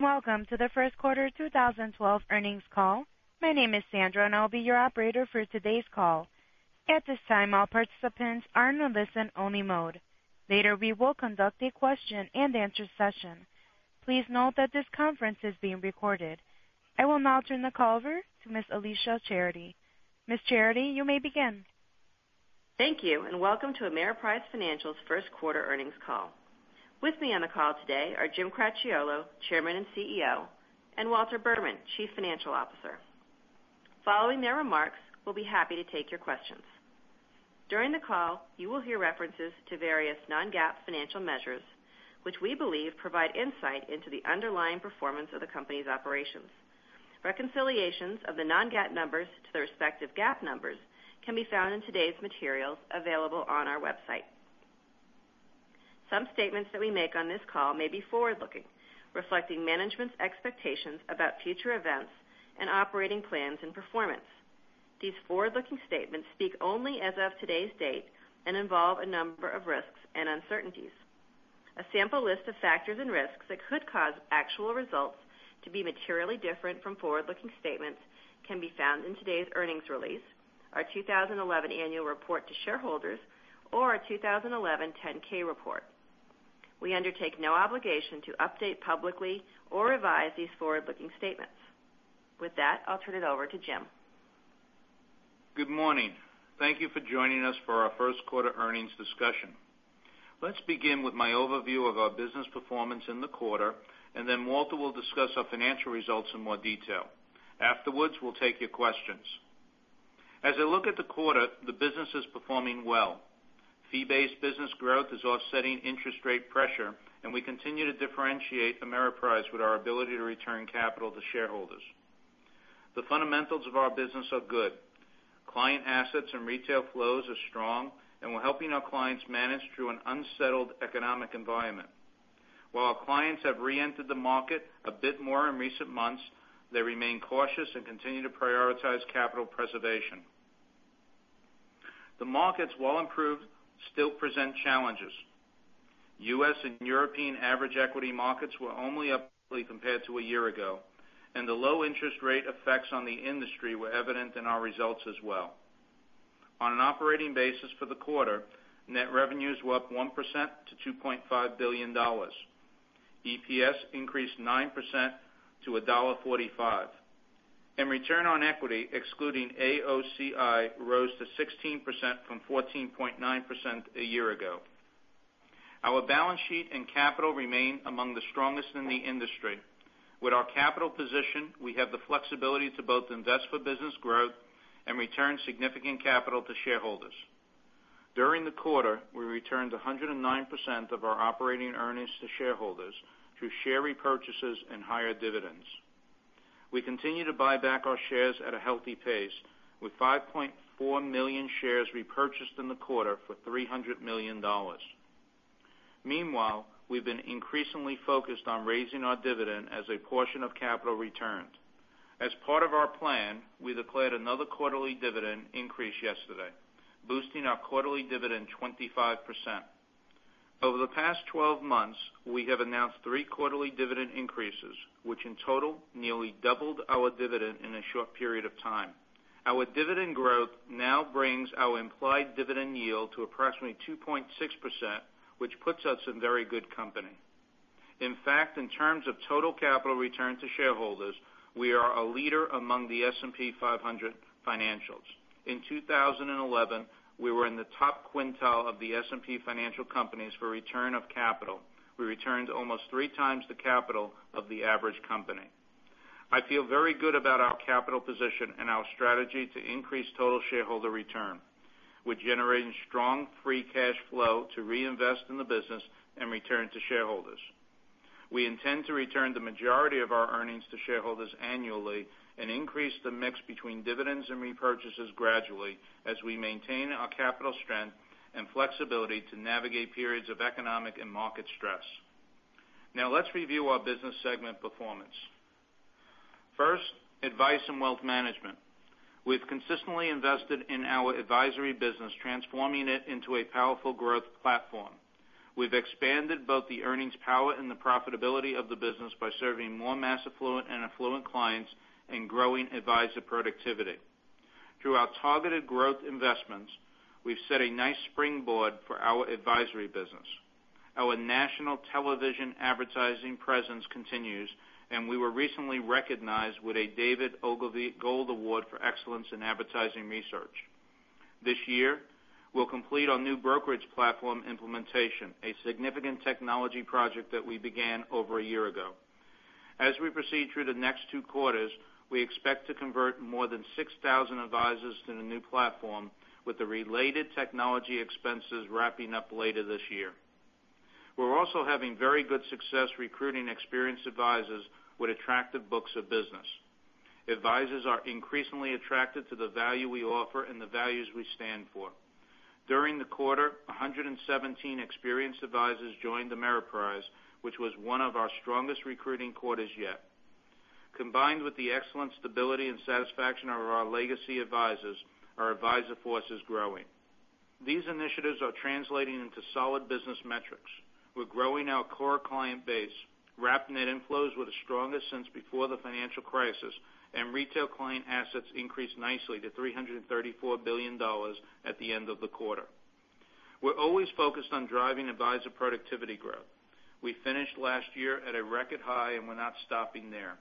Welcome to the first quarter 2012 earnings call. My name is Sandra, and I'll be your operator for today's call. At this time, all participants are in listen-only mode. Later, we will conduct a question and answer session. Please note that this conference is being recorded. I will now turn the call over to Ms. Alicia Charity. Ms. Charity, you may begin. Thank you. Welcome to Ameriprise Financial's first quarter earnings call. With me on the call today are Jim Cracchiolo, Chairman and CEO, and Walter Berman, Chief Financial Officer. Following their remarks, we'll be happy to take your questions. During the call, you will hear references to various non-GAAP financial measures, which we believe provide insight into the underlying performance of the company's operations. Reconciliations of the non-GAAP numbers to their respective GAAP numbers can be found in today's materials available on our website. Some statements that we make on this call may be forward-looking, reflecting management's expectations about future events and operating plans and performance. These forward-looking statements speak only as of today's date and involve a number of risks and uncertainties. A sample list of factors and risks that could cause actual results to be materially different from forward-looking statements can be found in today's earnings release, our 2011 annual report to shareholders, or our 2011 10-K report. We undertake no obligation to update publicly or revise these forward-looking statements. With that, I'll turn it over to Jim. Good morning. Thank you for joining us for our first quarter earnings discussion. Let's begin with my overview of our business performance in the quarter. Then Walt will discuss our financial results in more detail. Afterwards, we'll take your questions. As I look at the quarter, the business is performing well. Fee-based business growth is offsetting interest rate pressure, and we continue to differentiate Ameriprise with our ability to return capital to shareholders. The fundamentals of our business are good. Client assets and retail flows are strong, and we're helping our clients manage through an unsettled economic environment. While our clients have re-entered the market a bit more in recent months, they remain cautious and continue to prioritize capital preservation. The markets, while improved, still present challenges. U.S. and European average equity markets were only up compared to a year ago, and the low interest rate effects on the industry were evident in our results as well. On an operating basis for the quarter, net revenues were up 1% to $2.5 billion. EPS increased 9% to $1.45. Return on equity, excluding AOCI, rose to 16% from 14.9% a year ago. Our balance sheet and capital remain among the strongest in the industry. With our capital position, we have the flexibility to both invest for business growth and return significant capital to shareholders. During the quarter, we returned 109% of our operating earnings to shareholders through share repurchases and higher dividends. We continue to buy back our shares at a healthy pace, with 5.4 million shares repurchased in the quarter for $300 million. Meanwhile, we've been increasingly focused on raising our dividend as a portion of capital returns. As part of our plan, we declared another quarterly dividend increase yesterday, boosting our quarterly dividend 25%. Over the past 12 months, we have announced three quarterly dividend increases, which in total nearly doubled our dividend in a short period of time. Our dividend growth now brings our implied dividend yield to approximately 2.6%, which puts us in very good company. In fact, in terms of total capital return to shareholders, we are a leader among the S&P 500 financials. In 2011, we were in the top quintile of the S&P financial companies for return of capital. We returned almost three times the capital of the average company. I feel very good about our capital position and our strategy to increase total shareholder return. We're generating strong free cash flow to reinvest in the business and return to shareholders. We intend to return the majority of our earnings to shareholders annually and increase the mix between dividends and repurchases gradually as we maintain our capital strength and flexibility to navigate periods of economic and market stress. Now let's review our business segment performance. First, advice in wealth management. We've consistently invested in our advisory business, transforming it into a powerful growth platform. We've expanded both the earnings power and the profitability of the business by serving more mass affluent and affluent clients and growing advisor productivity. Through our targeted growth investments, we've set a nice springboard for our advisory business. Our national television advertising presence continues, and we were recently recognized with a David Ogilvy Gold Award for excellence in advertising research. This year, we'll complete our new brokerage platform implementation, a significant technology project that we began over a year ago. As we proceed through the next two quarters, we expect to convert more than 6,000 advisors to the new platform, with the related technology expenses wrapping up later this year. We're also having very good success recruiting experienced advisors with attractive books of business. Advisors are increasingly attracted to the value we offer and the values we stand for. During the quarter, 117 experienced advisors joined Ameriprise, which was one of our strongest recruiting quarters yet. Combined with the excellent stability and satisfaction of our legacy advisors, our advisor force is growing. These initiatives are translating into solid business metrics. We're growing our core client base. Wrap net inflows were the strongest since before the financial crisis, and retail client assets increased nicely to $334 billion at the end of the quarter. We're always focused on driving advisor productivity growth. We finished last year at a record high, and we're not stopping there.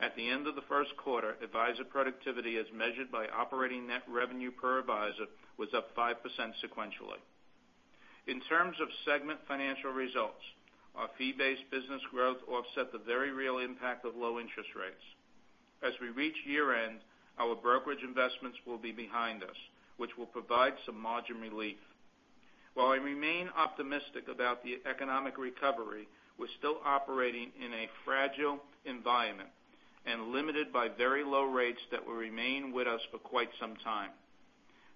At the end of the first quarter, advisor productivity, as measured by operating net revenue per advisor, was up 5% sequentially. In terms of segment financial results, our fee-based business growth offset the very real impact of low interest rates. As we reach year-end, our brokerage investments will be behind us, which will provide some margin relief. While I remain optimistic about the economic recovery, we're still operating in a fragile environment and limited by very low rates that will remain with us for quite some time.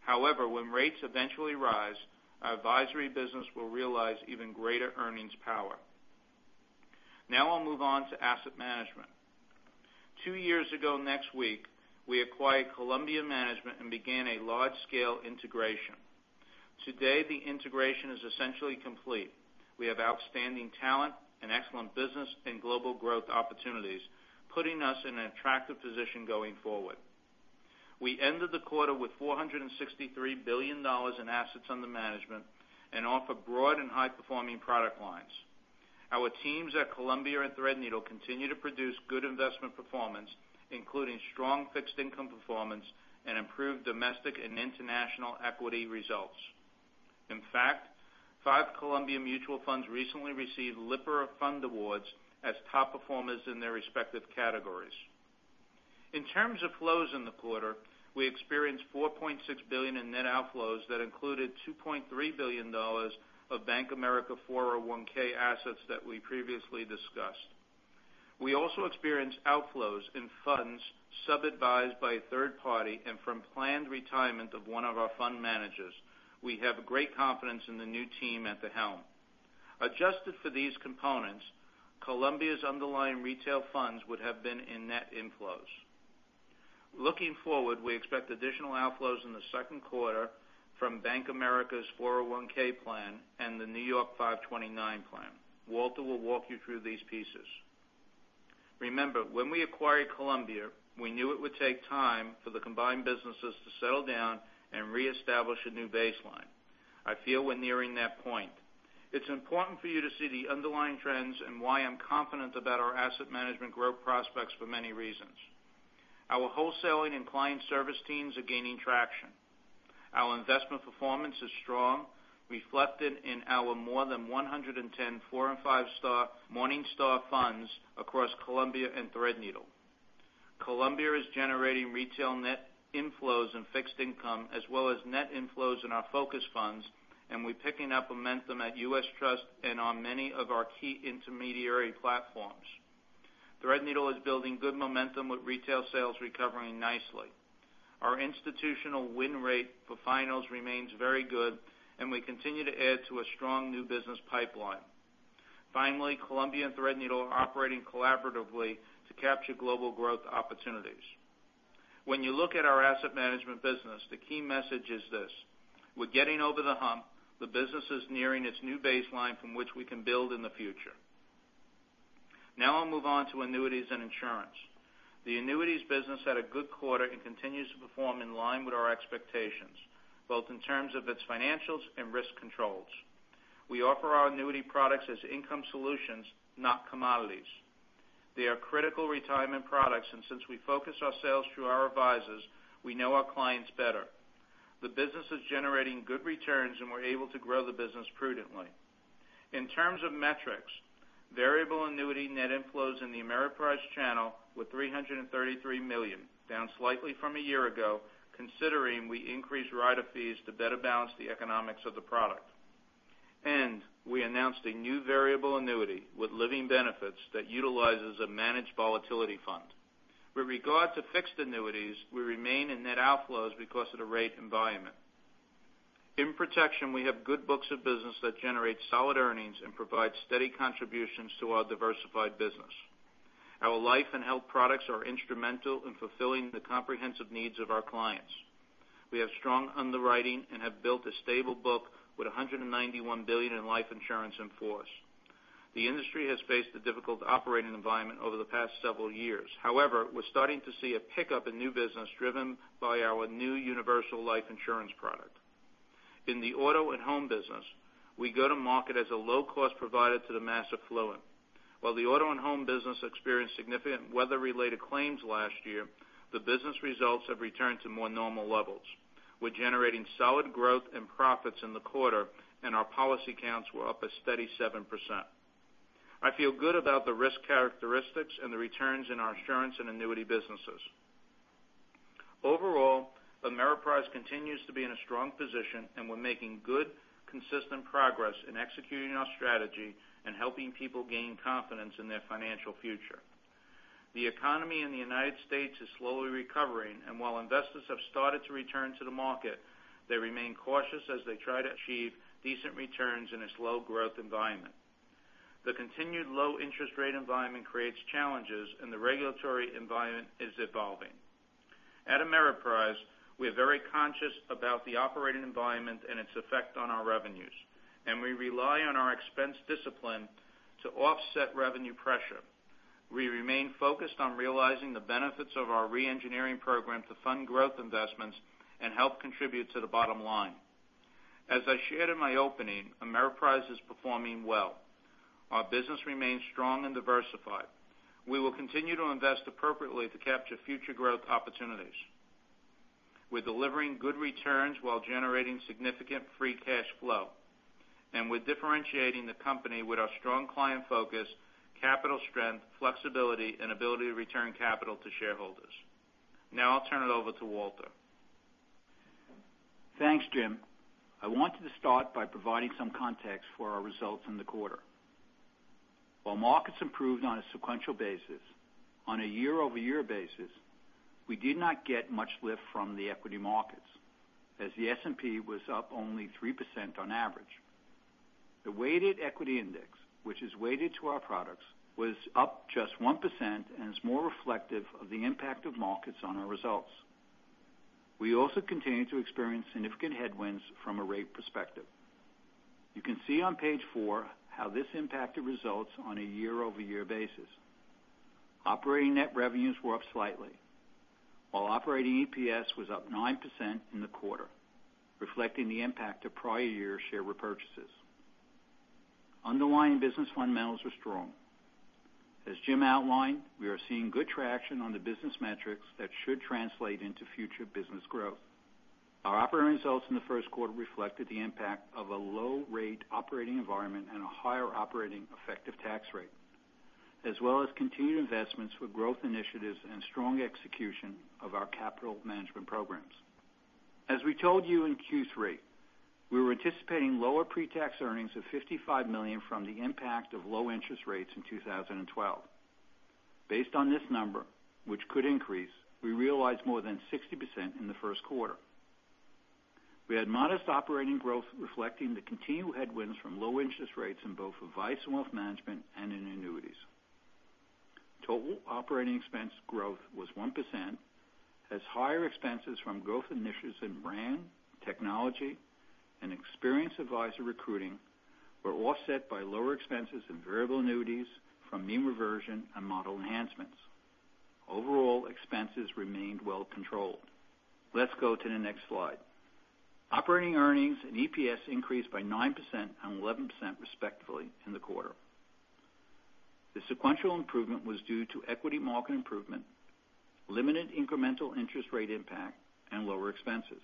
When rates eventually rise, our advisory business will realize even greater earnings power. I'll move on to asset management. Two years ago, next week, we acquired Columbia Management and began a large-scale integration. Today, the integration is essentially complete. We have outstanding talent and excellent business and global growth opportunities, putting us in an attractive position going forward. We ended the quarter with $463 billion in assets under management and offer broad and high-performing product lines. Our teams at Columbia and Threadneedle continue to produce good investment performance, including strong fixed income performance and improved domestic and international equity results. In fact, five Columbia mutual funds recently received Lipper Fund Awards as top performers in their respective categories. In terms of flows in the quarter, we experienced $4.6 billion in net outflows that included $2.3 billion of Bank of America 401 assets that we previously discussed. We also experienced outflows in funds sub-advised by a third party and from planned retirement of one of our fund managers. We have great confidence in the new team at the helm. Adjusted for these components, Columbia's underlying retail funds would have been in net inflows. Looking forward, we expect additional outflows in the second quarter from Bank of America's 401 plan and the New York 529 plan. Walter will walk you through these pieces. When we acquired Columbia, we knew it would take time for the combined businesses to settle down and reestablish a new baseline. I feel we're nearing that point. It's important for you to see the underlying trends and why I'm confident about our asset management growth prospects for many reasons. Our wholesaling and client service teams are gaining traction. Our investment performance is strong, reflected in our more than 110 four and five-star Morningstar funds across Columbia and Threadneedle. Columbia is generating retail net inflows and fixed income, as well as net inflows in our focus funds. We're picking up momentum at U.S. Trust and on many of our key intermediary platforms. Threadneedle is building good momentum with retail sales recovering nicely. Our institutional win rate for finals remains very good. We continue to add to a strong new business pipeline. Columbia and Threadneedle are operating collaboratively to capture global growth opportunities. When you look at our asset management business, the key message is this: We're getting over the hump. The business is nearing its new baseline from which we can build in the future. I'll move on to annuities and insurance. The annuities business had a good quarter and continues to perform in line with our expectations, both in terms of its financials and risk controls. We offer our annuity products as income solutions, not commodities. They are critical retirement products, and since we focus our sales through our advisors, we know our clients better. The business is generating good returns, and we're able to grow the business prudently. In terms of metrics, variable annuity net inflows in the Ameriprise channel were $333 million, down slightly from a year ago, considering we increased rider fees to better balance the economics of the product. We announced a new variable annuity with living benefits that utilizes a managed volatility fund. With regard to fixed annuities, we remain in net outflows because of the rate environment. In protection, we have good books of business that generate solid earnings and provide steady contributions to our diversified business. Our life and health products are instrumental in fulfilling the comprehensive needs of our clients. We have strong underwriting and have built a stable book with $191 billion in life insurance in force. The industry has faced a difficult operating environment over the past several years. However, we're starting to see a pickup in new business driven by our new universal life insurance product. In the auto and home business, we go to market as a low-cost provider to the mass affluent. While the auto and home business experienced significant weather-related claims last year, the business results have returned to more normal levels. We're generating solid growth and profits in the quarter, and our policy counts were up a steady 7%. I feel good about the risk characteristics and the returns in our insurance and annuity businesses. Overall, Ameriprise continues to be in a strong position, and we're making good, consistent progress in executing our strategy and helping people gain confidence in their financial future. The economy in the U.S. is slowly recovering, and while investors have started to return to the market, they remain cautious as they try to achieve decent returns in a slow-growth environment. The continued low interest rate environment creates challenges, and the regulatory environment is evolving. At Ameriprise, we are very conscious about the operating environment and its effect on our revenues, and we rely on our expense discipline to offset revenue pressure. We remain focused on realizing the benefits of our re-engineering program to fund growth investments and help contribute to the bottom line. As I shared in my opening, Ameriprise is performing well. Our business remains strong and diversified. We will continue to invest appropriately to capture future growth opportunities. We're delivering good returns while generating significant free cash flow. We're differentiating the company with our strong client focus, capital strength, flexibility, and ability to return capital to shareholders. Now I'll turn it over to Walter. Thanks, Jim. I wanted to start by providing some context for our results in the quarter. While markets improved on a sequential basis, on a year-over-year basis, we did not get much lift from the equity markets, as the S&P was up only 3% on average. The weighted equity index, which is weighted to our products, was up just 1% and is more reflective of the impact of markets on our results. We also continue to experience significant headwinds from a rate perspective. You can see on page four how this impacted results on a year-over-year basis. Operating net revenues were up slightly, while operating EPS was up 9% in the quarter, reflecting the impact of prior year share repurchases. Underlying business fundamentals are strong. As Jim outlined, we are seeing good traction on the business metrics that should translate into future business growth. Our operating results in the first quarter reflected the impact of a low rate operating environment and a higher operating effective tax rate, as well as continued investments with growth initiatives and strong execution of our capital management programs. As we told you in Q3, we were anticipating lower pre-tax earnings of $55 million from the impact of low interest rates in 2012. Based on this number, which could increase, we realized more than 60% in the first quarter. We had modest operating growth reflecting the continued headwinds from low interest rates in both Advice Wealth Management and in annuities. Total operating expense growth was 1%, as higher expenses from growth initiatives in brand, technology, and Experienced Advisor Recruiting were offset by lower expenses and variable annuities from mean reversion and model enhancements. Overall, expenses remained well controlled. Let's go to the next slide. Operating earnings and EPS increased by 9% and 11% respectively in the quarter. The sequential improvement was due to equity market improvement, limited incremental interest rate impact, and lower expenses.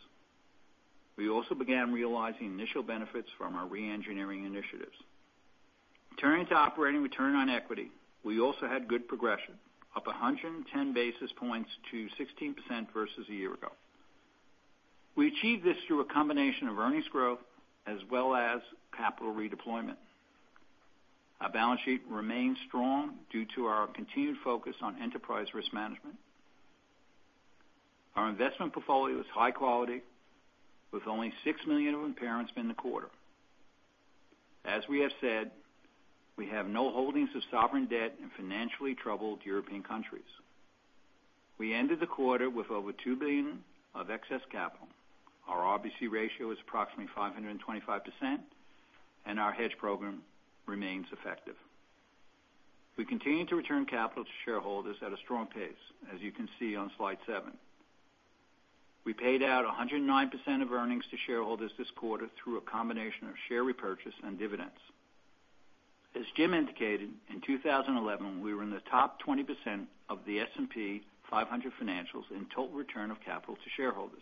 We also began realizing initial benefits from our re-engineering initiatives. Turning to operating return on equity, we also had good progression, up 110 basis points to 16% versus a year ago. We achieved this through a combination of earnings growth as well as capital redeployment. Our balance sheet remains strong due to our continued focus on enterprise risk management. Our investment portfolio is high quality, with only $6 million of impairments in the quarter. As we have said, we have no holdings of sovereign debt in financially troubled European countries. We ended the quarter with over $2 billion of excess capital. Our RBC ratio is approximately 525%, and our hedge program remains effective. We continue to return capital to shareholders at a strong pace, as you can see on slide seven. We paid out 109% of earnings to shareholders this quarter through a combination of share repurchase and dividends. As Jim indicated, in 2011, we were in the top 20% of the S&P 500 financials in total return of capital to shareholders.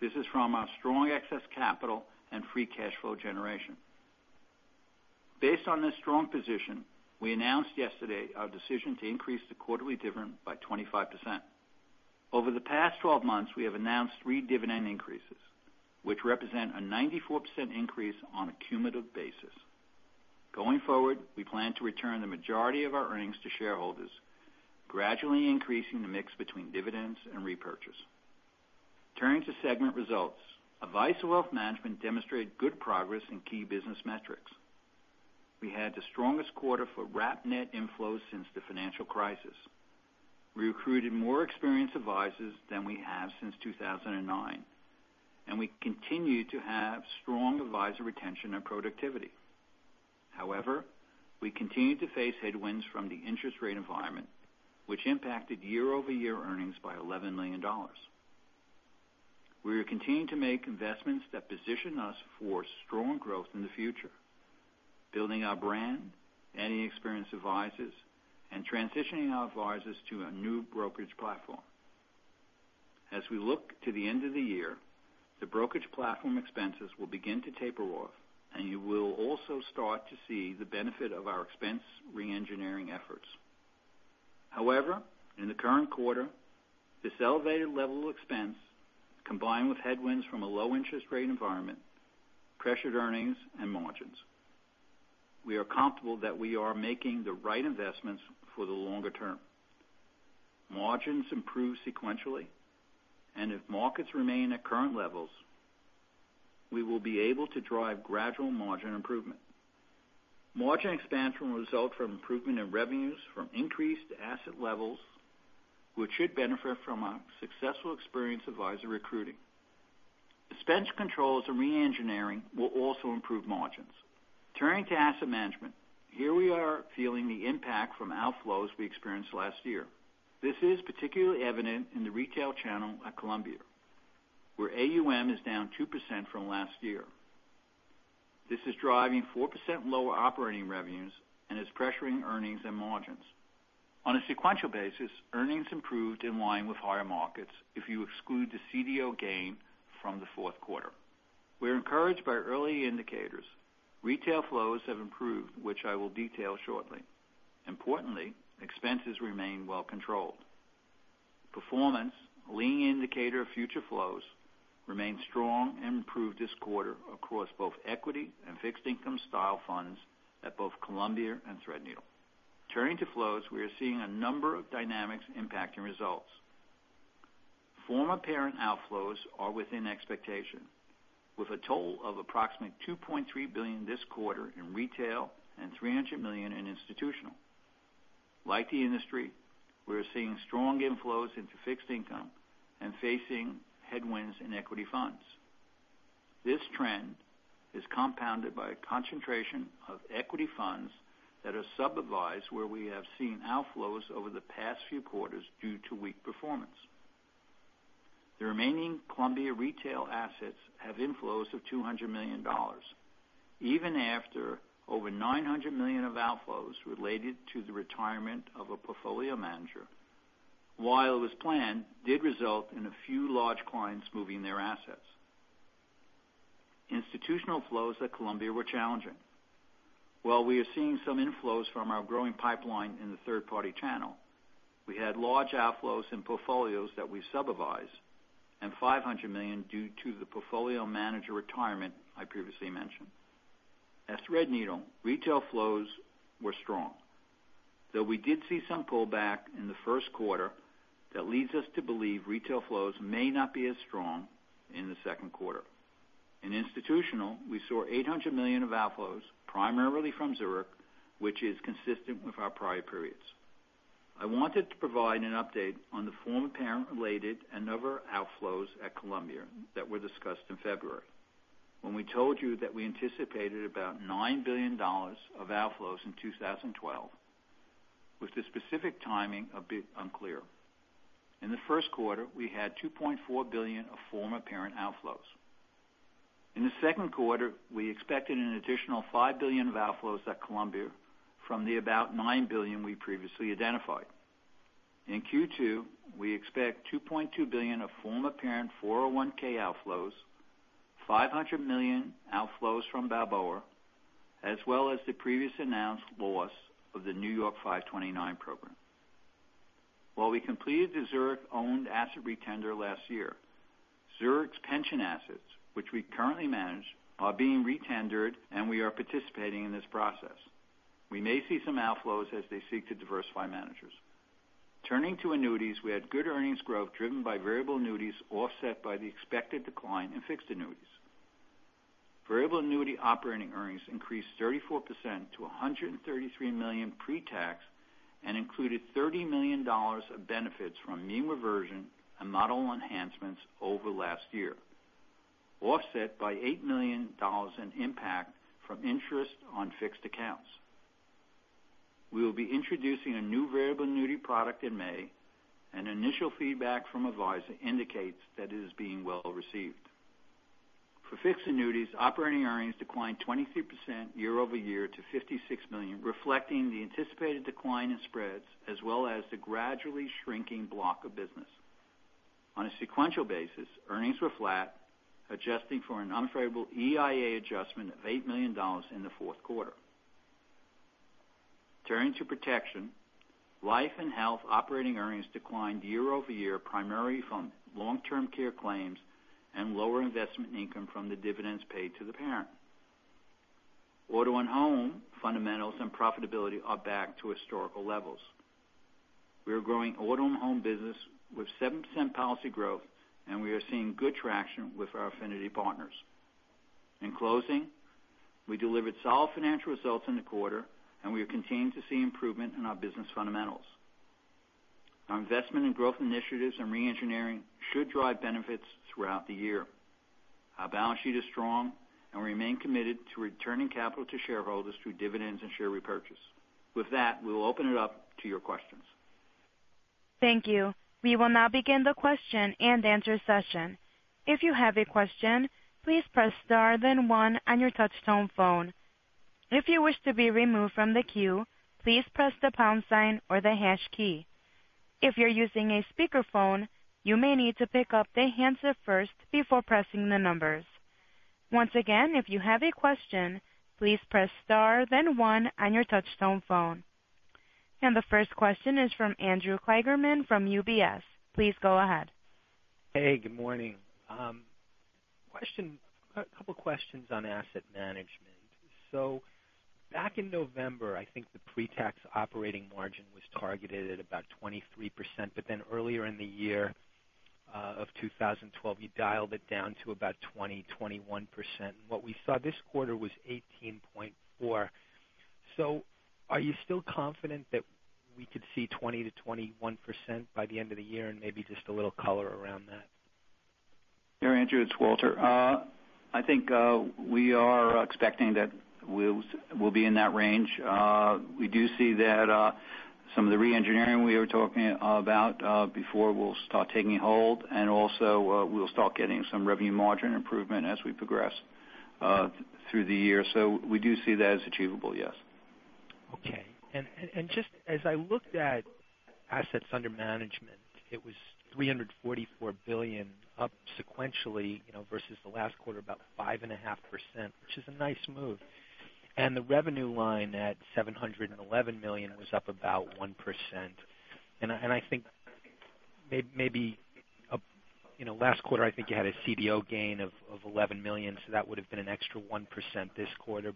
This is from our strong excess capital and free cash flow generation. Based on this strong position, we announced yesterday our decision to increase the quarterly dividend by 25%. Over the past 12 months, we have announced three dividend increases, which represent a 94% increase on a cumulative basis. Going forward, we plan to return the majority of our earnings to shareholders, gradually increasing the mix between dividends and repurchase. Turning to segment results. Advice Wealth Management demonstrated good progress in key business metrics. We had the strongest quarter for wrap net inflows since the financial crisis. We recruited more experienced advisors than we have since 2009. We continue to have strong advisor retention and productivity. However, we continue to face headwinds from the interest rate environment, which impacted year-over-year earnings by $11 million. We are continuing to make investments that position us for strong growth in the future, building our brand, adding experienced advisors, and transitioning our advisors to a new brokerage platform. As we look to the end of the year, the brokerage platform expenses will begin to taper off, and you will also start to see the benefit of our expense re-engineering efforts. However, in the current quarter, this elevated level of expense, combined with headwinds from a low interest rate environment, pressured earnings and margins. We are comfortable that we are making the right investments for the longer term. Margins improve sequentially. If markets remain at current levels, we will be able to drive gradual margin improvement. Margin expansion will result from improvement in revenues from increased asset levels, which should benefit from our successful experienced advisor recruiting. Expense controls and re-engineering will also improve margins. Turning to asset management, here we are feeling the impact from outflows we experienced last year. This is particularly evident in the retail channel at Columbia, where AUM is down 2% from last year. This is driving 4% lower operating revenues and is pressuring earnings and margins. On a sequential basis, earnings improved in line with higher markets if you exclude the CDO gain from the fourth quarter. We are encouraged by early indicators. Retail flows have improved, which I will detail shortly. Importantly, expenses remain well controlled. Performance, a leading indicator of future flows, remained strong and improved this quarter across both equity and fixed income style funds at both Columbia and Threadneedle. Turning to flows, we are seeing a number of dynamics impacting results. Former parent outflows are within expectation, with a total of approximately $2.3 billion this quarter in retail and $300 million in institutional. Like the industry, we are seeing strong inflows into fixed income and facing headwinds in equity funds. This trend is compounded by a concentration of equity funds that are sub-advised, where we have seen outflows over the past few quarters due to weak performance. The remaining Columbia retail assets have inflows of $200 million, even after over $900 million of outflows related to the retirement of a portfolio manager. While it was planned, it did result in a few large clients moving their assets. Institutional flows at Columbia were challenging. While we are seeing some inflows from our growing pipeline in the third-party channel, we had large outflows in portfolios that we supervise and $500 million due to the portfolio manager retirement I previously mentioned. At Threadneedle, retail flows were strong. Though we did see some pullback in the first quarter, that leads us to believe retail flows may not be as strong in the second quarter. In institutional, we saw $800 million of outflows, primarily from Zurich, which is consistent with our prior periods. I wanted to provide an update on the former parent-related and other outflows at Columbia that were discussed in February when we told you that we anticipated about $9 billion of outflows in 2012, with the specific timing a bit unclear. In the first quarter, we had $2.4 billion of former parent outflows. In the second quarter, we expected an additional $5 billion of outflows at Columbia from the about $9 billion we previously identified. In Q2, we expect $2.2 billion of former parent 401 outflows, $500 million outflows from Balboa, as well as the previously announced loss of the New York 529 Program. While we completed the Zurich-owned asset re-tender last year, Zurich's pension assets, which we currently manage, are being re-tendered and we are participating in this process. We may see some outflows as they seek to diversify managers. Turning to annuities, we had good earnings growth driven by variable annuities offset by the expected decline in fixed annuities. Variable annuity operating earnings increased 34% to $133 million pre-tax and included $30 million of benefits from mean reversion and model enhancements over last year, offset by $8 million in impact from interest on fixed accounts. We will be introducing a new variable annuity product in May, initial feedback from advisor indicates that it is being well received. For fixed annuities, operating earnings declined 23% year-over-year to $56 million, reflecting the anticipated decline in spreads as well as the gradually shrinking block of business. On a sequential basis, earnings were flat, adjusting for an unfavorable EIA adjustment of $8 million in the fourth quarter. Turning to protection, life and health operating earnings declined year-over-year, primarily from long-term care claims and lower investment income from the dividends paid to the parent. Auto and home fundamentals and profitability are back to historical levels. We are growing auto and home business with 7% policy growth, we are seeing good traction with our affinity partners. In closing, we delivered solid financial results in the quarter, we have continued to see improvement in our business fundamentals. Our investment in growth initiatives and re-engineering should drive benefits throughout the year. Our balance sheet is strong, we remain committed to returning capital to shareholders through dividends and share repurchase. With that, we will open it up to your questions. Thank you. We will now begin the question-and-answer session. If you have a question, please press star then one on your touch tone phone. If you wish to be removed from the queue, please press the pound sign or the hash key. If you're using a speakerphone, you may need to pick up the handset first before pressing the numbers. Once again, if you have a question, please press star then one on your touch tone phone. The first question is from Andrew Kligerman from UBS. Please go ahead. Hey, good morning. A couple of questions on asset management. Back in November, I think the pre-tax operating margin was targeted at about 23%. Earlier in the year of 2012, you dialed it down to about 20%-21%. What we saw this quarter was 18.4%. Are you still confident that we could see 20%-21% by the end of the year? Maybe just a little color around that. Andrew, it's Walter. I think we are expecting that we'll be in that range. We do see that some of the re-engineering we were talking about before will start taking hold. We'll start getting some revenue margin improvement as we progress through the year. We do see that as achievable, yes. Okay. Just as I looked at assets under management, it was $344 billion up sequentially, versus the last quarter, about 5.5%, which is a nice move. The revenue line at $711 million was up about 1%. I think maybe last quarter, I think you had a CDO gain of $11 million. That would have been an extra 1% this quarter.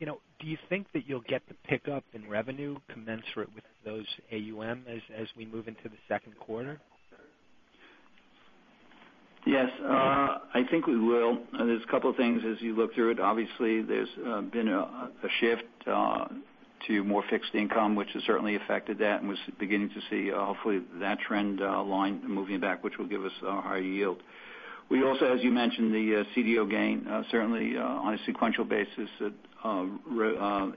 Do you think that you'll get the pickup in revenue commensurate with those AUM as we move into the second quarter? Yes, I think we will. There's a couple of things as you look through it. Obviously, there's been a shift to more fixed income, which has certainly affected that. We were beginning to see hopefully that trend line moving back, which will give us a higher yield. We also, as you mentioned, the CDO gain, certainly on a sequential basis,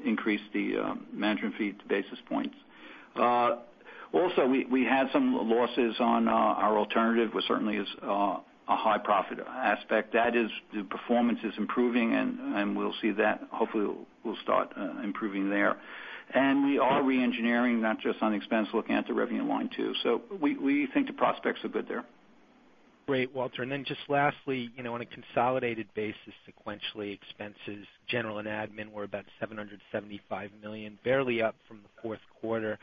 increased the management fee to basis points. Also, we had some losses on our alternative, which certainly is a high profit aspect. That is the performance is improving. We'll see that hopefully will start improving there. We are re-engineering not just on expense, looking at the revenue line too. We think the prospects are good there. Great, Walter. Just lastly, on a consolidated basis, sequentially expenses, G&A were about $775 million, barely up from the fourth quarter.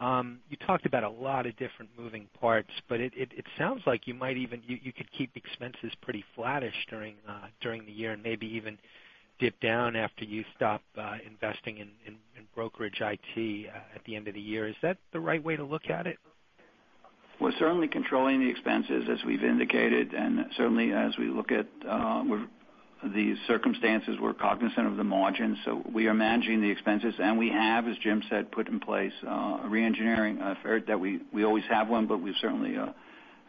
You talked about a lot of different moving parts, but it sounds like you could keep expenses pretty flattish during the year and maybe even dip down after you stop investing in brokerage IT at the end of the year. Is that the right way to look at it? We're certainly controlling the expenses as we've indicated, and certainly as we look at the circumstances, we're cognizant of the margins. We are managing the expenses, and we have, as Jim said, put in place a re-engineering effort that we always have one, but we certainly have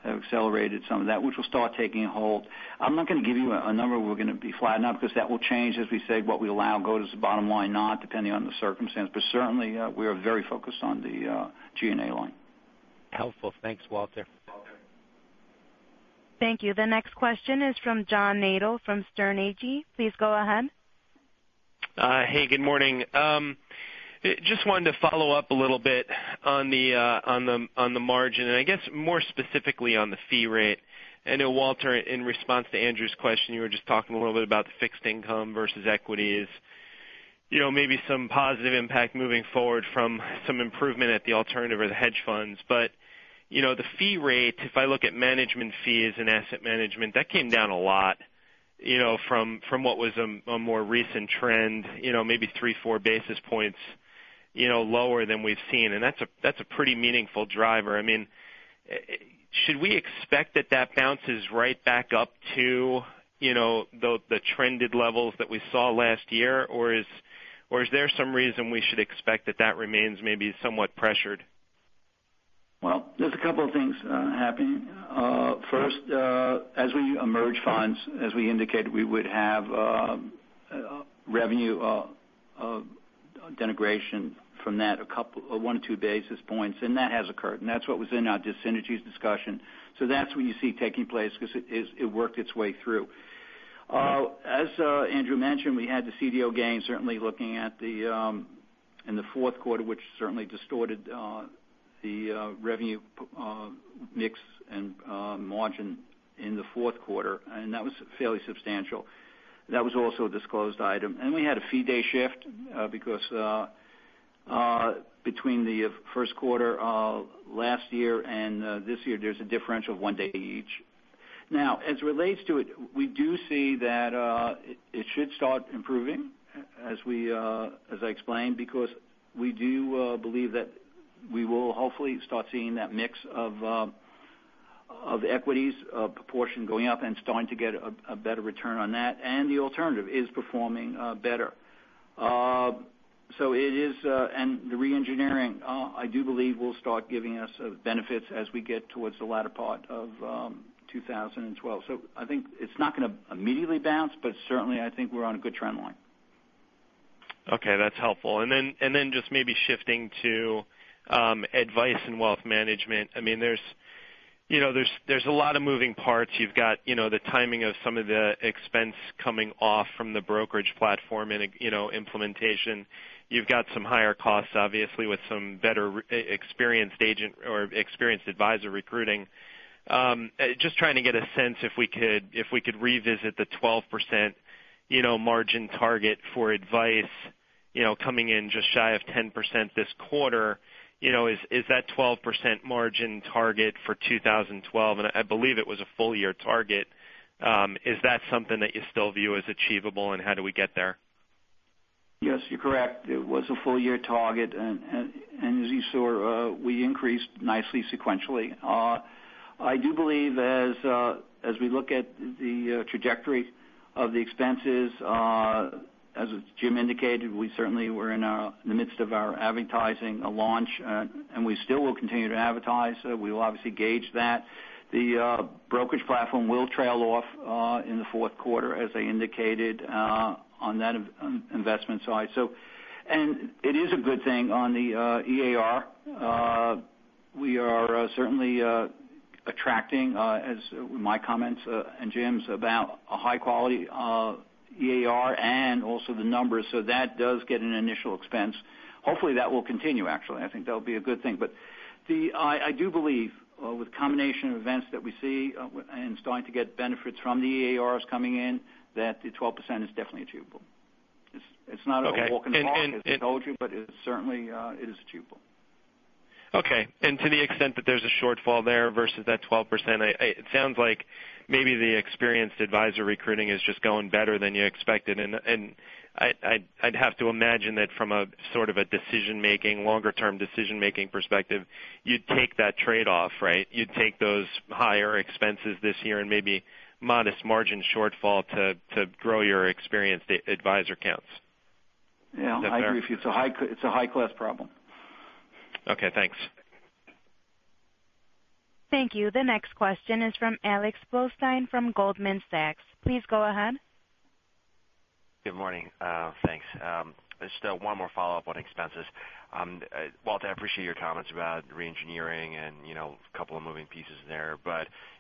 accelerated some of that, which will start taking hold. I'm not going to give you a number we're going to be flatting out because that will change, as we say, what we allow goes to the bottom line, not depending on the circumstance. Certainly, we are very focused on the G&A line. Helpful. Thanks, Walter. Thank you. The next question is from John Nadel from Sterne Agee. Please go ahead. Hey, good morning. Just wanted to follow up a little bit on the margin, and I guess more specifically on the fee rate. I know, Walter, in response to Andrew's question, you were just talking a little bit about the fixed income versus equities. Maybe some positive impact moving forward from some improvement at the alternative or the hedge funds. The fee rate, if I look at management fees and asset management, that came down a lot from what was a more recent trend maybe three, four basis points lower than we've seen. That's a pretty meaningful driver. Should we expect that that bounces right back up to the trended levels that we saw last year? Is there some reason we should expect that that remains maybe somewhat pressured? There's a couple of things happening. First, as we emerge funds, as we indicated, we would have revenue denigration from that a one or two basis points, and that has occurred. That's what was in our dissynergies discussion. That's what you see taking place because it worked its way through. As Andrew mentioned, we had the CDO gain certainly looking at in the fourth quarter, which certainly distorted the revenue mix and margin in the fourth quarter, and that was fairly substantial. That was also a disclosed item. We had a fee day shift because between the first quarter of last year and this year, there's a differential of one day each. As it relates to it, we do see that it should start improving, as I explained, because we do believe that we will hopefully start seeing that mix of equities proportion going up and starting to get a better return on that, and the alternative is performing better. The re-engineering, I do believe will start giving us benefits as we get towards the latter part of 2012. I think it's not going to immediately bounce, but certainly, I think we're on a good trend line. Okay. That's helpful. Just maybe shifting to Advice and Wealth Management. There's a lot of moving parts. You've got the timing of some of the expense coming off from the brokerage platform and implementation. You've got some higher costs, obviously, with some better experienced agent or Experienced Advisor Recruiting. Just trying to get a sense if we could revisit the 12% margin target for advice Coming in just shy of 10% this quarter, is that 12% margin target for 2012, and I believe it was a full-year target, is that something that you still view as achievable and how do we get there? Yes, you're correct. It was a full-year target. As you saw, we increased nicely sequentially. I do believe as we look at the trajectory of the expenses, as Jim indicated, we certainly were in the midst of our advertising launch, and we still will continue to advertise. We will obviously gauge that. The brokerage platform will trail off in the fourth quarter, as I indicated on that investment side. It is a good thing on the EAR. We are certainly attracting, as my comments and Jim's, about a high quality of EAR and also the numbers. That does get an initial expense. Hopefully, that will continue, actually. I think that'll be a good thing. I do believe with the combination of events that we see and starting to get benefits from the EARs coming in, that the 12% is definitely achievable. It's not a walk in the park, as I told you, but it is achievable. Okay. To the extent that there's a shortfall there versus that 12%, it sounds like maybe the experienced advisor recruiting is just going better than you expected, and I'd have to imagine that from a decision-making, longer term decision-making perspective, you'd take that trade-off, right? You'd take those higher expenses this year and maybe modest margin shortfall to grow your experienced advisor counts. Yeah. I agree with you. It's a high class problem. Okay, thanks. Thank you. The next question is from Alex Blostein from Goldman Sachs. Please go ahead. Good morning. Thanks. Just one more follow-up on expenses. Walt, I appreciate your comments about re-engineering and a couple of moving pieces there.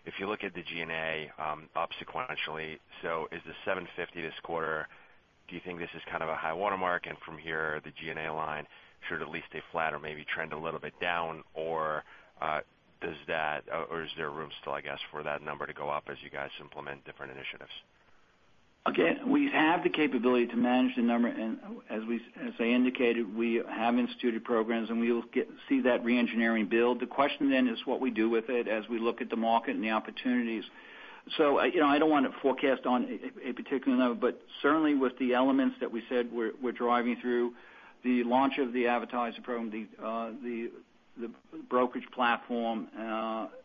If you look at the G&A up sequentially, so is the $750 this quarter, do you think this is kind of a high watermark, and from here, the G&A line should at least stay flat or maybe trend a little bit down? Is there room still, I guess, for that number to go up as you guys implement different initiatives? Again, we have the capability to manage the number. As I indicated, we have instituted programs, and we will see that re-engineering build. The question then is what we do with it as we look at the market and the opportunities. I don't want to forecast on a particular number, but certainly with the elements that we said we're driving through the launch of the advertising program, the brokerage platform,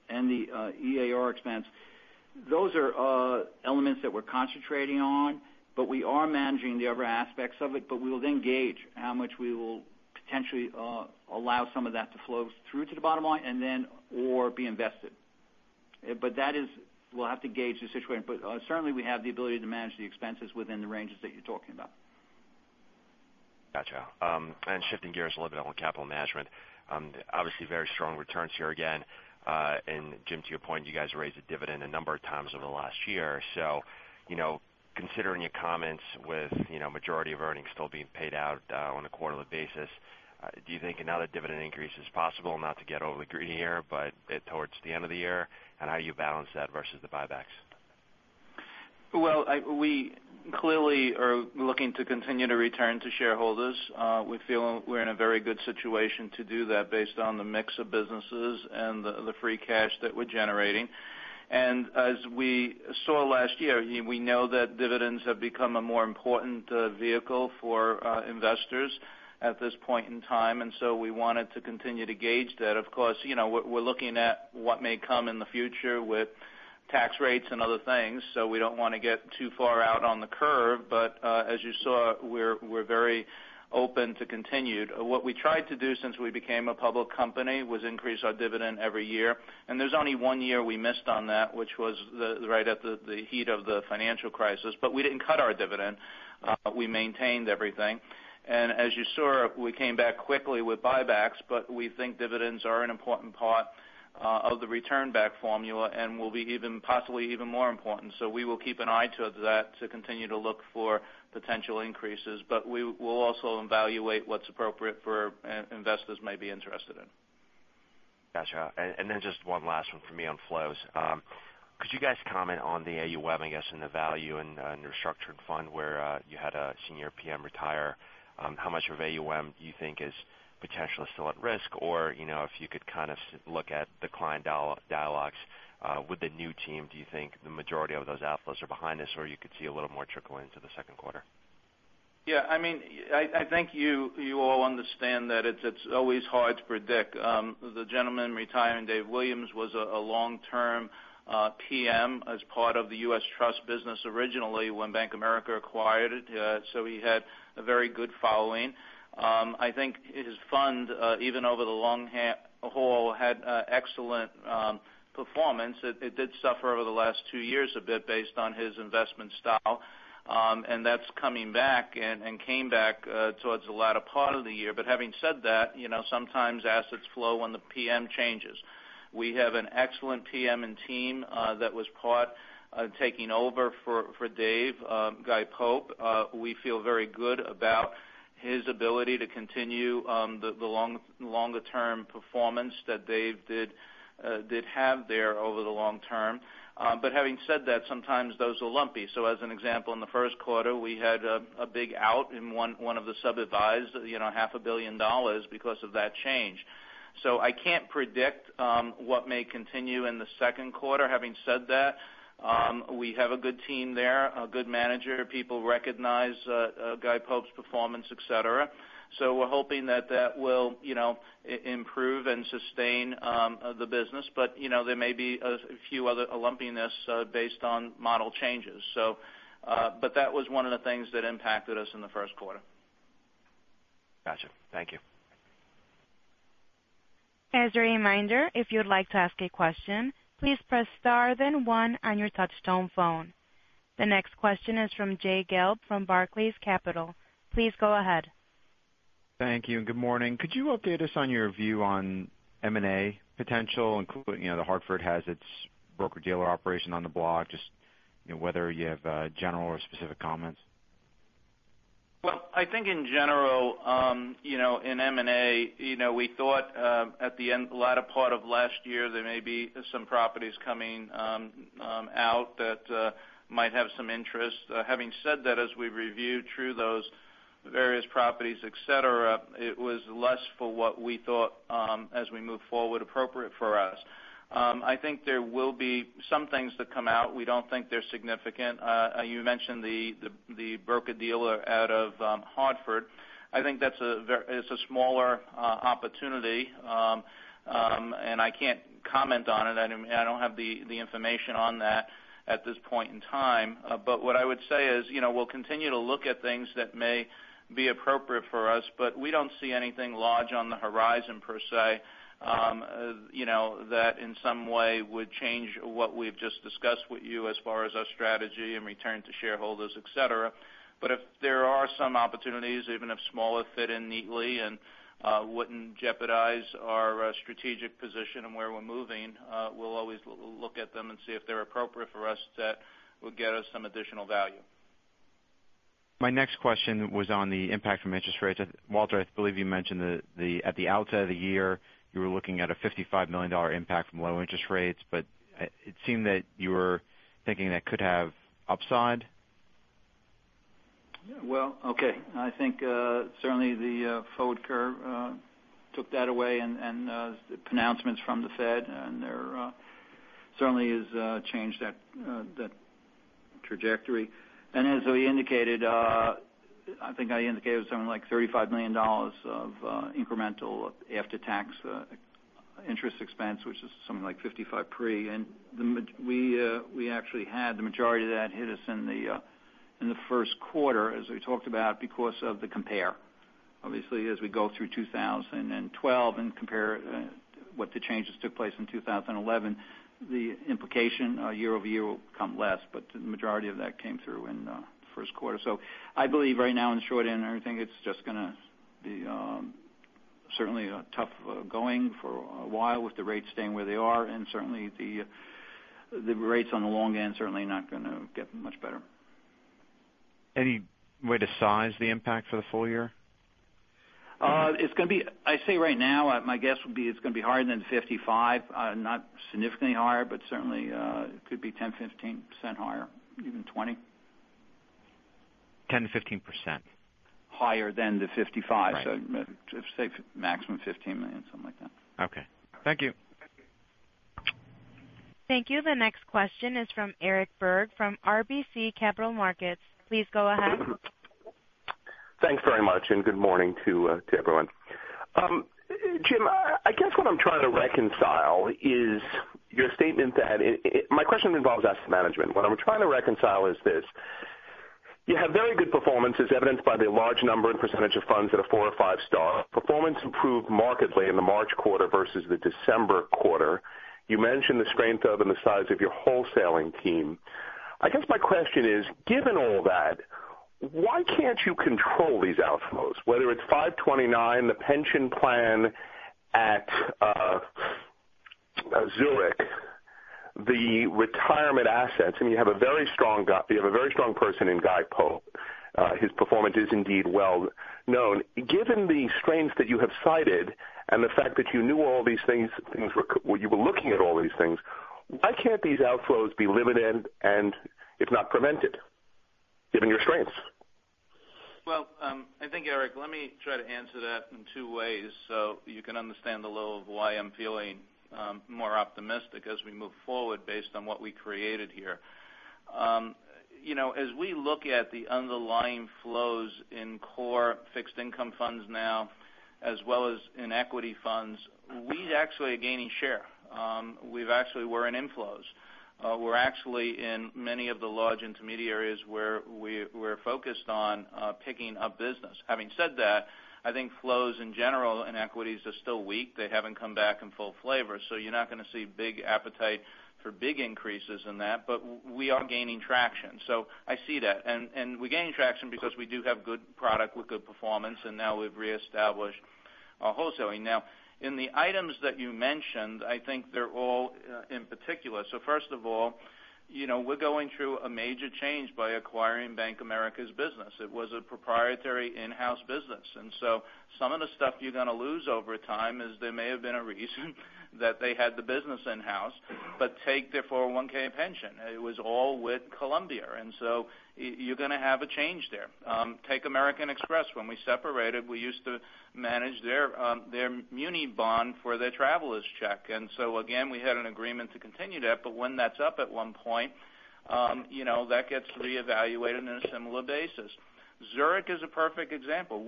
and the EAR expense. Those are elements that we're concentrating on, but we are managing the other aspects of it, but we will then gauge how much we will potentially allow some of that to flow through to the bottom line and then or be invested. We'll have to gauge the situation. Certainly, we have the ability to manage the expenses within the ranges that you're talking about. Got you. Shifting gears a little bit on capital management. Obviously very strong returns here again. Jim, to your point, you guys raised the dividend a number of times over the last year. Considering your comments with majority of earnings still being paid out on a quarterly basis, do you think another dividend increase is possible? Not to get overly greedy here, but towards the end of the year, and how you balance that versus the buybacks? Well, we clearly are looking to continue to return to shareholders. We feel we're in a very good situation to do that based on the mix of businesses and the free cash that we're generating. As we saw last year, we know that dividends have become a more important vehicle for investors at this point in time. We wanted to continue to gauge that. Of course, we're looking at what may come in the future with tax rates and other things, so we don't want to get too far out on the curve. As you saw, we're very open to continued. What we tried to do since we became a public company was increase our dividend every year. There's only one year we missed on that, which was right at the heat of the financial crisis. We didn't cut our dividend, we maintained everything. As you saw, we came back quickly with buybacks, we think dividends are an important part of the return back formula and will be possibly even more important. We will keep an eye to that to continue to look for potential increases. We'll also evaluate what's appropriate for investors may be interested in. Got you. Just one last one for me on flows. Could you guys comment on the AUM, I guess, and the value in your structured fund where you had a senior PM retire? How much of AUM do you think is potentially still at risk? If you could kind of look at the client dialogues with the new team, do you think the majority of those outflows are behind us, or you could see a little more trickle into the second quarter? I think you all understand that it's always hard to predict. The gentleman retiring, Dave Williams, was a long-term PM as part of the U.S. Trust business originally when Bank of America acquired it. He had a very good following. I think his fund even over the long haul, had excellent performance. It did suffer over the last two years a bit based on his investment style. That's coming back and came back towards the latter part of the year. Having said that, sometimes assets flow when the PM changes. We have an excellent PM and team that was part taking over for Dave, Guy Pope. We feel very good about his ability to continue the longer-term performance that Dave did have there over the long term. Having said that, sometimes those are lumpy. As an example, in the first quarter, we had a big out in one of the sub-advised, half a billion dollars because of that change. I can't predict what may continue in the second quarter. Having said that, we have a good team there, a good manager. People recognize Guy Pope's performance, et cetera. We're hoping that that will improve and sustain the business. There may be a few other lumpiness based on model changes. That was one of the things that impacted us in the first quarter. Got you. Thank you. As a reminder, if you'd like to ask a question, please press star, then one on your touch-tone phone. The next question is from Jay Gelb from Barclays Capital. Please go ahead. Thank you, and good morning. Could you update us on your view on M&A potential, including, The Hartford has its broker-dealer operation on the block, just whether you have general or specific comments? Well, I think in general, in M&A, we thought at the latter part of last year, there may be some properties coming out that might have some interest. Having said that, as we reviewed through those various properties, et cetera, it was less for what we thought as we move forward appropriate for us. I think there will be some things that come out. We don't think they're significant. You mentioned the broker-dealer out of The Hartford. I think that's a smaller opportunity, and I can't comment on it. I don't have the information on that at this point in time. What I would say is, we'll continue to look at things that may be appropriate for us, but we don't see anything large on the horizon per se, that in some way would change what we've just discussed with you as far as our strategy and return to shareholders, et cetera. If there are some opportunities, even if smaller, fit in neatly and wouldn't jeopardize our strategic position and where we're moving, we'll always look at them and see if they're appropriate for us that will get us some additional value. My next question was on the impact from interest rates. Walter, I believe you mentioned that at the outset of the year, you were looking at a $55 million impact from low interest rates, but it seemed that you were thinking that could have upside? Yeah. Well, okay. I think, certainly the forward curve took that away, the pronouncements from the Fed certainly has changed that trajectory. As we indicated, I think I indicated something like $35 million of incremental after-tax interest expense, which is something like $55 pre. We actually had the majority of that hit us in the first quarter, as we talked about, because of the compare. Obviously, as we go through 2012 and compare what the changes took place in 2011, the implication year-over-year will become less, but the majority of that came through in the first quarter. I believe right now in the short end and everything, it's just going to be certainly tough going for a while with the rates staying where they are, and certainly the rates on the long end certainly not going to get much better. Any way to size the impact for the full year? I say right now, my guess would be it's going to be higher than $55. Not significantly higher, but certainly could be 10%, 15% higher, even 20. 10%-15%? Higher than the 55. Right. Just say maximum $15 million, something like that. Okay. Thank you. Thank you. The next question is from Eric Berg from RBC Capital Markets. Please go ahead. Thanks very much, and good morning to everyone. Jim, I guess what I'm trying to reconcile is your statement. My question involves asset management. What I'm trying to reconcile is this. You have very good performance as evidenced by the large number and percentage of funds that are 4 or 5 star. Performance improved markedly in the March quarter versus the December quarter. You mentioned the strength of and the size of your wholesaling team. I guess my question is, given all that, why can't you control these outflows, whether it's 529 plan, the pension plan at Zurich, the retirement assets. I mean, you have a very strong person in Guy Pope. His performance is indeed well known. Given the strengths that you have cited and the fact that you knew all these things, you were looking at all these things, why can't these outflows be limited and if not prevented given your strengths? Well, I think, Eric, let me try to answer that in two ways so you can understand a little of why I'm feeling more optimistic as we move forward based on what we created here. As we look at the underlying flows in core fixed income funds now as well as in equity funds, we actually are gaining share. We've actually were in inflows. We're actually in many of the large intermediary areas where we're focused on picking up business. Having said that, I think flows in general in equities are still weak. They haven't come back in full flavor, you're not going to see big appetite for big increases in that. We are gaining traction. I see that. We're gaining traction because we do have good product with good performance, and now we've reestablished our wholesaling. In the items that you mentioned, I think they're all in particular. First of all, we're going through a major change by acquiring Bank of America's business. It was a proprietary in-house business. Some of the stuff you're going to lose over time is there may have been a reason that they had the business in-house, but take their 401(k) plan. It was all with Columbia. You're going to have a change there. Take American Express. When we separated, we used to manage their muni bond for their traveler's check. Again, we had an agreement to continue that, but when that's up at one point, that gets reevaluated in a similar basis. Zurich is a perfect example.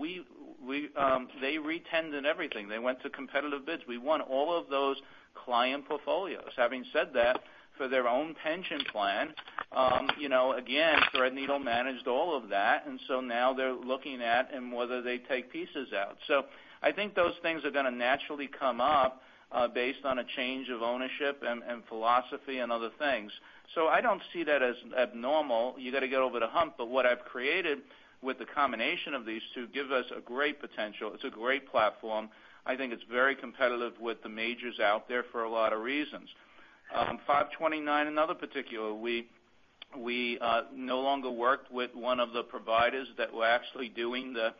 They re-tendered everything. They went to competitive bids. We won all of those client portfolios. Having said that, for their own pension plan, again, Threadneedle managed all of that. Now they're looking at whether they take pieces out. I think those things are going to naturally come up based on a change of ownership and philosophy and other things. I don't see that as abnormal. You got to get over the hump. What I've created with the combination of these two gives us a great potential. It's a great platform. I think it's very competitive with the majors out there for a lot of reasons. 529, another particular. We no longer worked with one of the providers that were actually doing the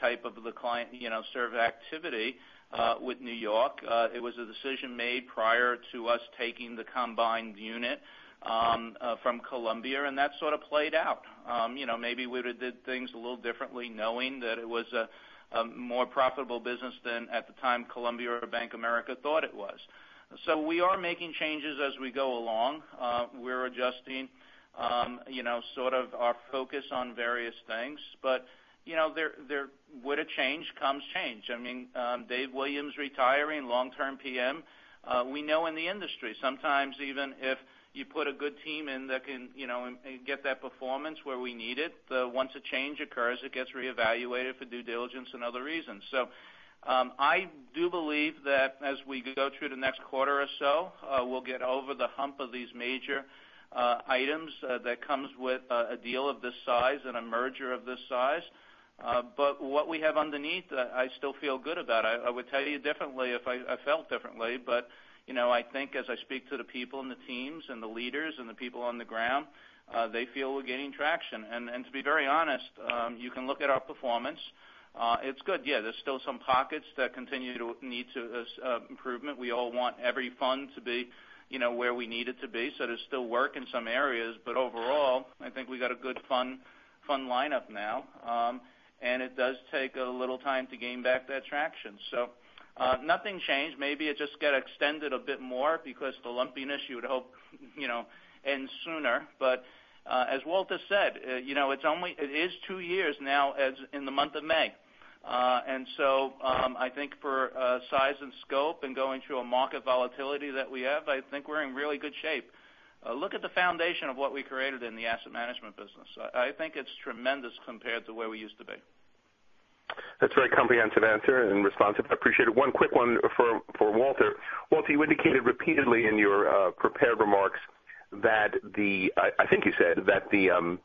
type of the client-served activity with New York. It was a decision made prior to us taking the combined unit from Columbia, that sort of played out. Maybe we would've did things a little differently knowing that it was a more profitable business than at the time Columbia or Bank of America thought it was. We are making changes as we go along. We're adjusting our focus on various things, with a change comes change. Dave Williams retiring, long-term PM. We know in the industry, sometimes even if you put a good team in that can get that performance where we need it, once a change occurs, it gets reevaluated for due diligence and other reasons. I do believe that as we go through the next quarter or so, we'll get over the hump of these major items that comes with a deal of this size and a merger of this size. What we have underneath, I still feel good about. I would tell you differently if I felt differently, I think as I speak to the people and the teams and the leaders and the people on the ground, they feel we're gaining traction. To be very honest, you can look at our performance. It's good. Yeah, there's still some pockets that continue to need improvement. We all want every fund to be where we need it to be. There's still work in some areas, overall, I think we've got a good fund lineup now. It does take a little time to gain back that traction. Nothing changed. Maybe it just got extended a bit more because the lumpiness you would hope ends sooner. As Walter said, it is 2 years now in the month of May. I think for size and scope and going through a market volatility that we have, I think we're in really good shape. Look at the foundation of what we created in the asset management business. I think it's tremendous compared to where we used to be. That's a very comprehensive answer and responsive. I appreciate it. One quick one for Walter. Walter, you indicated repeatedly in your prepared remarks, I think you said that the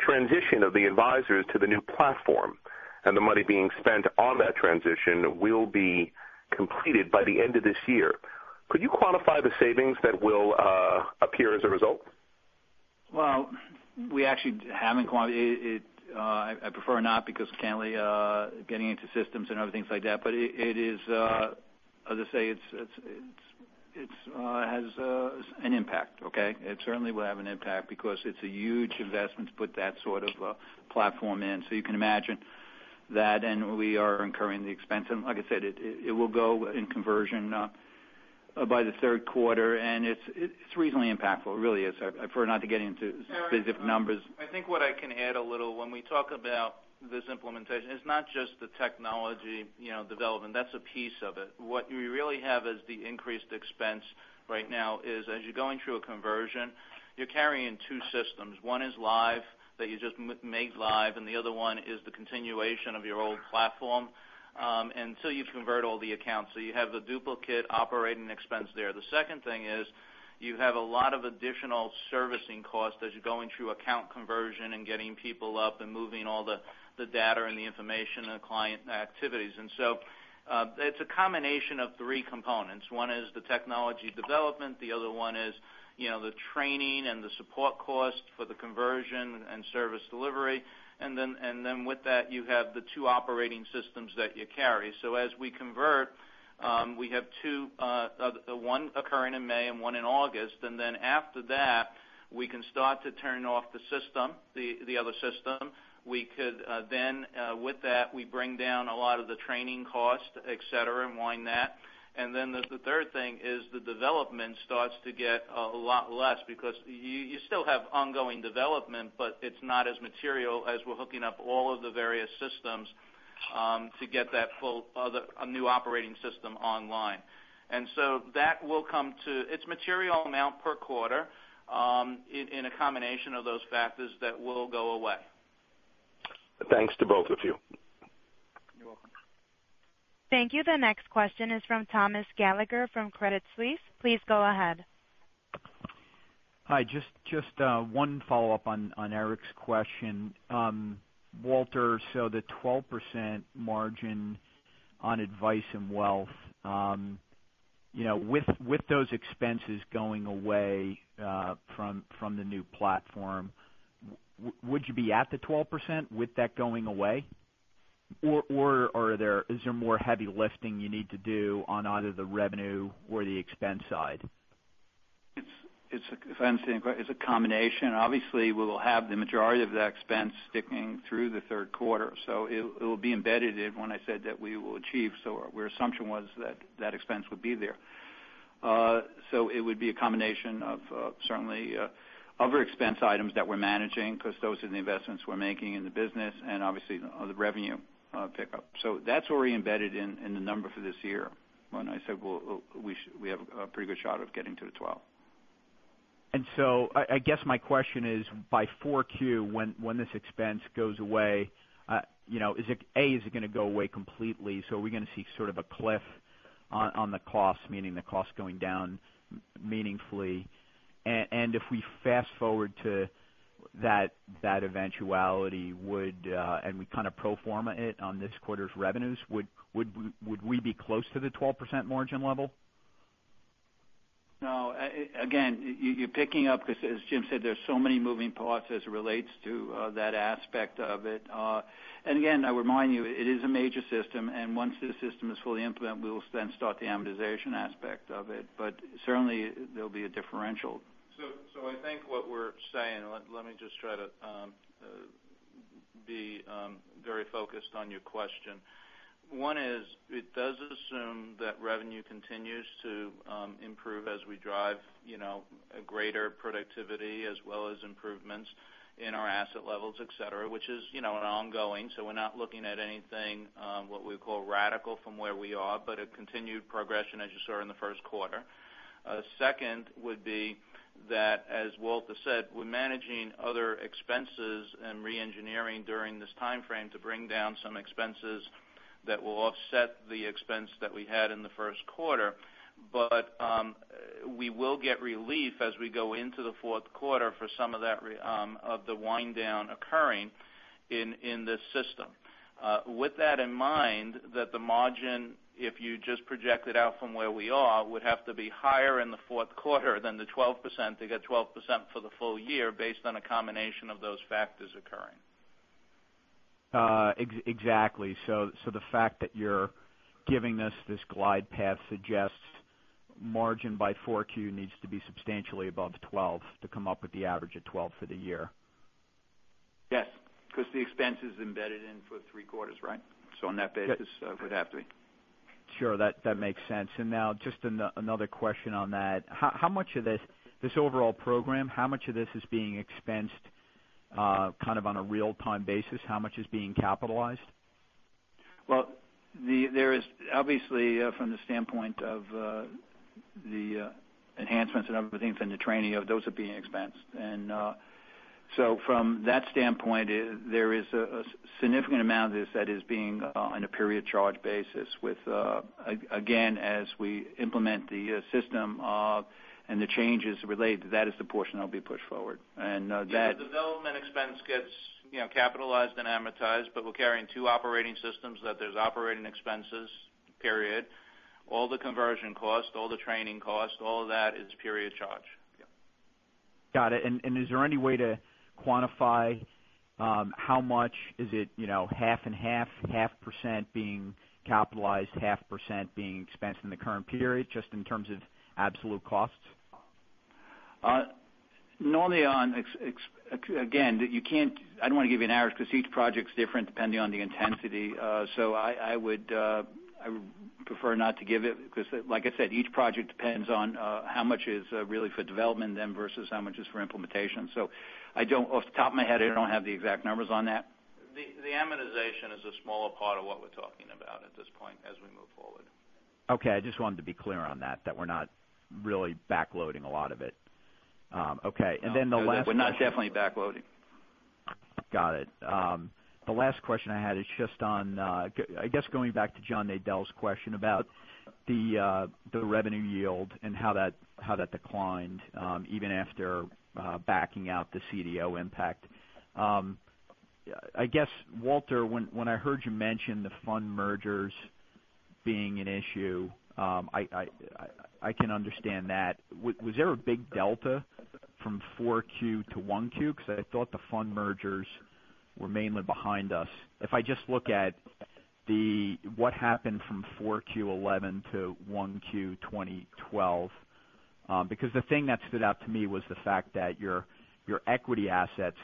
transition of the advisors to the new platform and the money being spent on that transition will be completed by the end of this year. Could you quantify the savings that will appear as a result? Well, we actually haven't quantified it. I prefer not because currently getting into systems and other things like that, as I say, it has an impact. Okay? It certainly will have an impact because it's a huge investment to put that sort of platform in. You can imagine that, and we are incurring the expense. Like I said, it will go in conversion by the third quarter, and it's reasonably impactful. It really is. I prefer not to get into specific numbers. Eric, I think what I can add a little, when we talk about this implementation, it's not just the technology development. That's a piece of it. What we really have as the increased expense right now is as you're going through a conversion, you're carrying two systems. One is live, that you just made live, and the other one is the continuation of your old platform until you convert all the accounts. You have the duplicate operating expense there. The second thing is you have a lot of additional servicing costs as you're going through account conversion and getting people up and moving all the data and the information and client activities. It's a combination of three components. One is the technology development, the other one is the training and the support cost for the conversion and service delivery. With that, you have the two operating systems that you carry. As we convert, we have two, one occurring in May and one in August. After that, we can start to turn off the other system. With that, we bring down a lot of the training costs, et cetera, and wind that. There's the third thing is the development starts to get a lot less because you still have ongoing development, but it's not as material as we're hooking up all of the various systems to get that new operating system online. It's a material amount per quarter in a combination of those factors that will go away. Thanks to both of you. You're welcome. Thank you. The next question is from Thomas Gallagher from Credit Suisse. Please go ahead. Hi, just one follow-up on Eric's question. Walter, the 12% margin on advice and wealth, with those expenses going away from the new platform, would you be at the 12% with that going away? Or is there more heavy lifting you need to do on either the revenue or the expense side? If I understand your question, it's a combination. Obviously, we will have the majority of that expense sticking through the third quarter. It will be embedded in when I said that we will achieve. Our assumption was that that expense would be there. It would be a combination of certainly other expense items that we're managing, because those are the investments we're making in the business and obviously the revenue pickup. That's already embedded in the number for this year when I said we have a pretty good shot of getting to the 12. I guess my question is by 4Q, when this expense goes away, A, is it going to go away completely? Are we going to see sort of a cliff on the cost, meaning the cost going down meaningfully? And if we fast-forward to that eventuality, and we kind of pro forma it on this quarter's revenues, would we be close to the 12% margin level? No. Again, you're picking up because as Jim said, there's so many moving parts as it relates to that aspect of it. Again, I remind you, it is a major system and once this system is fully implement, we will then start the amortization aspect of it. Certainly there'll be a differential. I think what we're saying, let me just try to be very focused on your question. One is it does assume that revenue continues to improve as we drive a greater productivity as well as improvements in our asset levels, et cetera, which is ongoing. We're not looking at anything what we call radical from where we are, but a continued progression as you saw in the first quarter. Second would be that, as Walter said, we're managing other expenses and re-engineering during this timeframe to bring down some expenses that will offset the expense that we had in the first quarter. We will get relief as we go into the fourth quarter for some of the wind down occurring in this system. With that in mind, that the margin, if you just project it out from where we are, would have to be higher in the fourth quarter than the 12% to get 12% for the full year based on a combination of those factors occurring. Exactly. The fact that you're giving us this glide path suggests margin by 4Q needs to be substantially above 12 to come up with the average of 12 for the year. Yes. Because the expense is embedded in for three quarters, right? On that basis, it would have to be. Sure. That makes sense. Now just another question on that. This overall program, how much of this is being expensed kind of on a real-time basis? How much is being capitalized? Well, there is obviously from the standpoint of the enhancements and everything from the training of those are being expensed. From that standpoint, there is a significant amount of this that is being on a period charge basis with, again, as we implement the system and the changes related to that is the portion that will be pushed forward. The development expense gets capitalized and amortized, we're carrying two operating systems that there's operating expenses, period. All the conversion costs, all the training costs, all of that is period charge. Yeah. Got it. Is there any way to quantify how much? Is it half and half percent being capitalized, half percent being expensed in the current period, just in terms of absolute costs? Normally, again, I don't want to give you an average because each project's different depending on the intensity. I would prefer not to give it because, like I said, each project depends on how much is really for development then versus how much is for implementation. Off the top of my head, I don't have the exact numbers on that. The amortization is a smaller part of what we're talking about at this point as we move forward. Okay. I just wanted to be clear on that we're not really backloading a lot of it. Okay. The last We're not definitely backloading. Got it. The last question I had is just on, I guess going back to John Nadel's question about the revenue yield and how that declined, even after backing out the CDO impact. I guess, Walter, when I heard you mention the fund mergers being an issue, I can understand that. Was there a big delta from 4Q to 1Q? I thought the fund mergers were mainly behind us. If I just look at what happened from 4Q 2011 to 1Q 2012. The thing that stood out to me was the fact that your equity assets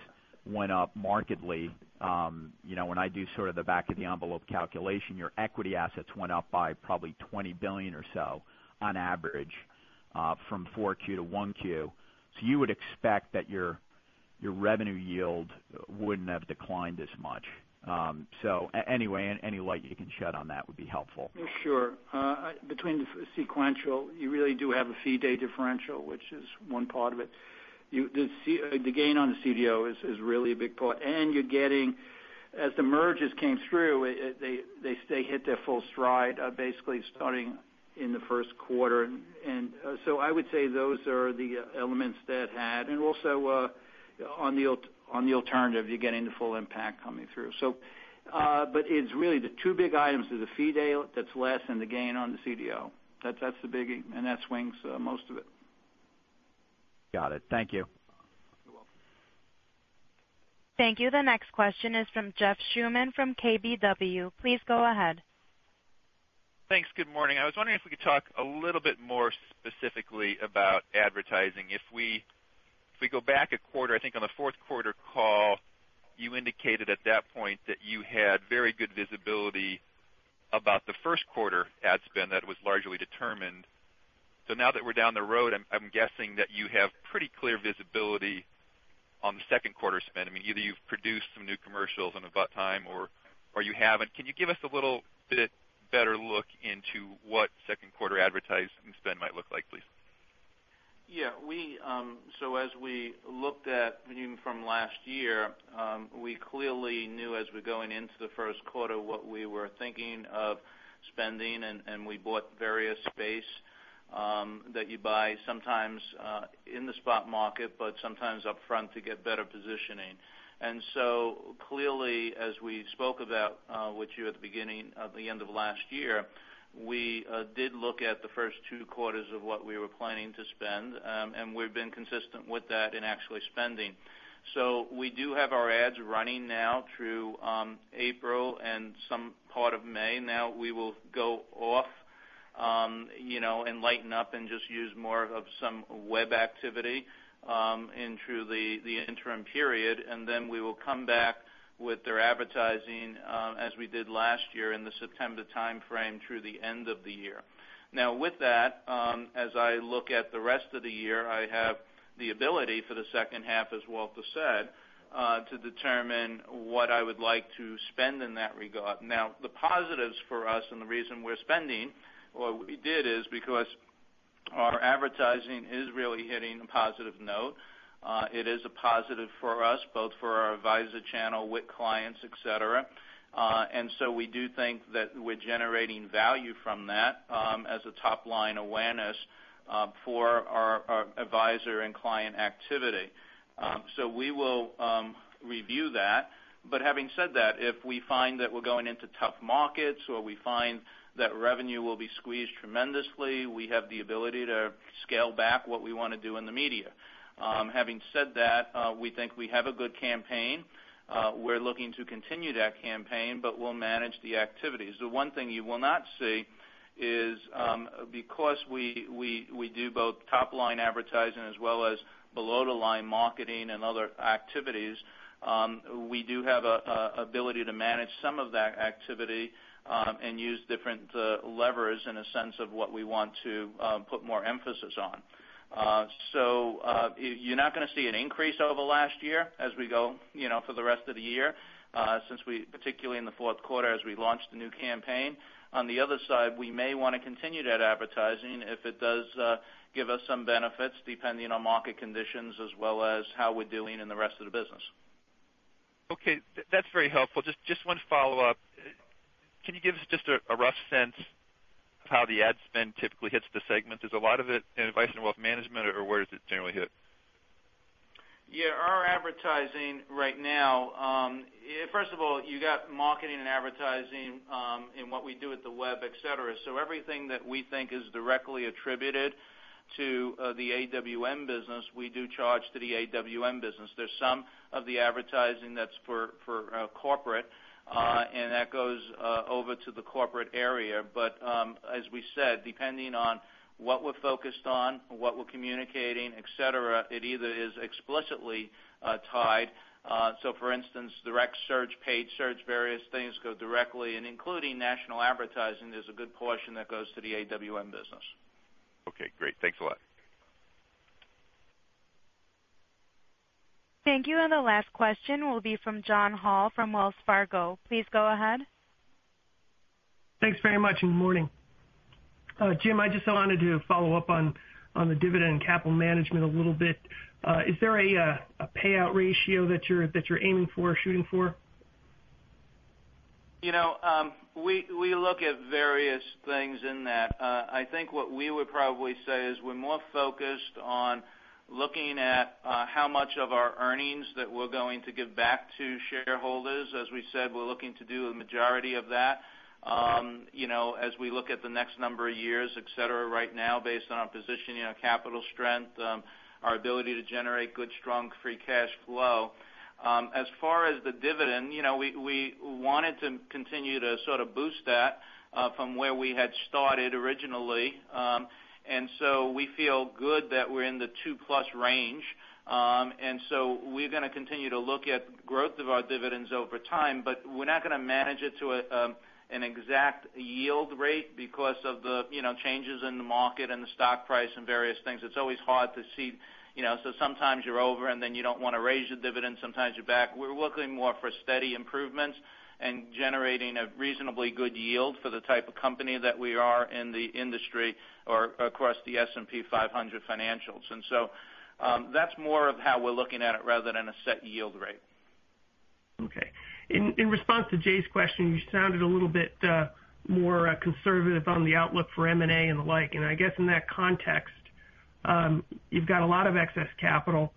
went up markedly. When I do sort of the back of the envelope calculation, your equity assets went up by probably $20 billion or so on average from 4Q to 1Q. You would expect that your revenue yield wouldn't have declined as much. Anyway, any light you can shed on that would be helpful. Sure. Between the sequential, you really do have a fee day differential, which is one part of it. The gain on the CDO is really a big part. As the mergers came through, they hit their full stride basically starting in the first quarter. I would say those are the elements that had, and also on the alternative, you're getting the full impact coming through. It's really the two big items is the fee day that's less and the gain on the CDO. That's the biggie, and that swings most of it. Got it. Thank you. You're welcome. Thank you. The next question is from Jeff Schuman from KBW. Please go ahead. Thanks. Good morning. I was wondering if we could talk a little bit more specifically about advertising. If we go back a quarter, I think on the fourth quarter call you indicated at that point that you had very good visibility about the first quarter ad spend that was largely determined. Now that we're down the road, I'm guessing that you have pretty clear visibility on the second quarter spend. Either you've produced some new commercials in about time or you haven't. Can you give us a little bit better look into what second quarter advertising spend might look like, please? Yeah. As we looked at even from last year, we clearly knew as we're going into the first quarter what we were thinking of spending, and we bought various space that you buy sometimes in the spot market, but sometimes upfront to get better positioning. Clearly, as we spoke about with you at the beginning of the end of last year, we did look at the first two quarters of what we were planning to spend, and we've been consistent with that in actually spending. We do have our ads running now through April and some part of May. We will go off and lighten up and just use more of some web activity in through the interim period. Then we will come back with their advertising, as we did last year in the September timeframe through the end of the year. With that, as I look at the rest of the year, I have the ability for the second half, as Walter said, to determine what I would like to spend in that regard. The positives for us and the reason we're spending, or we did, is because our advertising is really hitting a positive note. It is a positive for us, both for our advisor channel, WIC clients, et cetera. We do think that we're generating value from that as a top-line awareness for our advisor and client activity. We will review that. Having said that, if we find that we're going into tough markets or we find that revenue will be squeezed tremendously, we have the ability to scale back what we want to do in the media. Having said that, we think we have a good campaign. We're looking to continue that campaign, but we'll manage the activities. The one thing you will not see is because we do both top-line advertising as well as below the line marketing and other activities, we do have ability to manage some of that activity and use different levers in a sense of what we want to put more emphasis on. You're not going to see an increase over last year as we go for the rest of the year, since we particularly in the fourth quarter as we launched the new campaign. On the other side, we may want to continue that advertising if it does give us some benefits depending on market conditions as well as how we're doing in the rest of the business. Okay. That's very helpful. Just one follow-up. Can you give us just a rough sense of how the ad spend typically hits the segment? Is a lot of it in Advice & Wealth Management, or where does it generally hit? Yeah. Our advertising right now, first of all, you got marketing and advertising in what we do with the web, et cetera. Everything that we think is directly attributed to the AWM business, we do charge to the AWM business. There's some of the advertising that's for corporate, and that goes over to the corporate area. As we said, depending on what we're focused on, what we're communicating, et cetera, it either is explicitly tied. For instance, direct search, paid search, various things go directly. Including national advertising, there's a good portion that goes to the AWM business. Okay, great. Thanks a lot. Thank you. The last question will be from John Hall from Wells Fargo. Please go ahead. Thanks very much, and good morning. Jim, I just wanted to follow up on the dividend capital management a little bit. Is there a payout ratio that you're aiming for or shooting for? We look at various things in that. I think what we would probably say is we're more focused on looking at how much of our earnings that we're going to give back to shareholders. As we said, we're looking to do a majority of that as we look at the next number of years, et cetera right now based on positioning, our capital strength, our ability to generate good, strong free cash flow. As far as the dividend, we wanted to continue to sort of boost that from where we had started originally. We feel good that we're in the two-plus range. We're going to continue to look at growth of our dividends over time, but we're not going to manage it to an exact yield rate because of the changes in the market and the stock price and various things. It's always hard to see. Sometimes you're over, and then you don't want to raise your dividend. Sometimes you're back. We're looking more for steady improvements and generating a reasonably good yield for the type of company that we are in the industry or across the S&P 500 financials. That's more of how we're looking at it rather than a set yield rate. Okay. In response to Jay's question, you sounded a little bit more conservative on the outlook for M&A and the like. I guess in that context, you've got a lot of excess capital.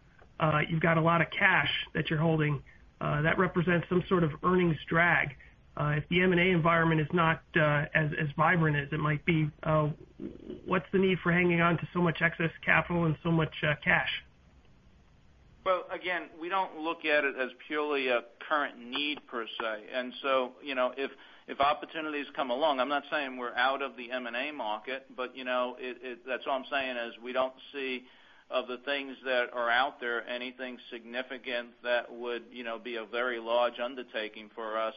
You've got a lot of cash that you're holding. That represents some sort of earnings drag. If the M&A environment is not as vibrant as it might be, what's the need for hanging on to so much excess capital and so much cash? Well, again, we don't look at it as purely a current need per se. If opportunities come along, I'm not saying we're out of the M&A market, but that's all I'm saying is we don't see, of the things that are out there, anything significant that would be a very large undertaking for us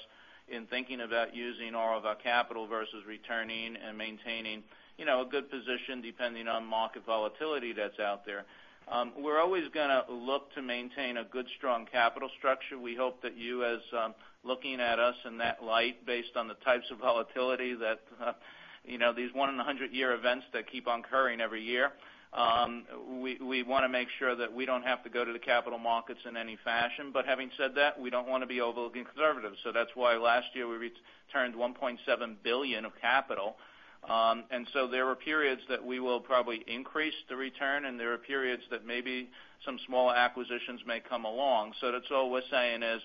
in thinking about using all of our capital versus returning and maintaining a good position depending on market volatility that's out there. We're always going to look to maintain a good, strong capital structure. We hope that you as looking at us in that light, based on the types of volatility that these one in 100 year events that keep on occurring every year. We want to make sure that we don't have to go to the capital markets in any fashion. Having said that, we don't want to be overly conservative. That's why last year we returned $1.7 billion of capital. There are periods that we will probably increase the return, and there are periods that maybe some small acquisitions may come along. That's all we're saying is,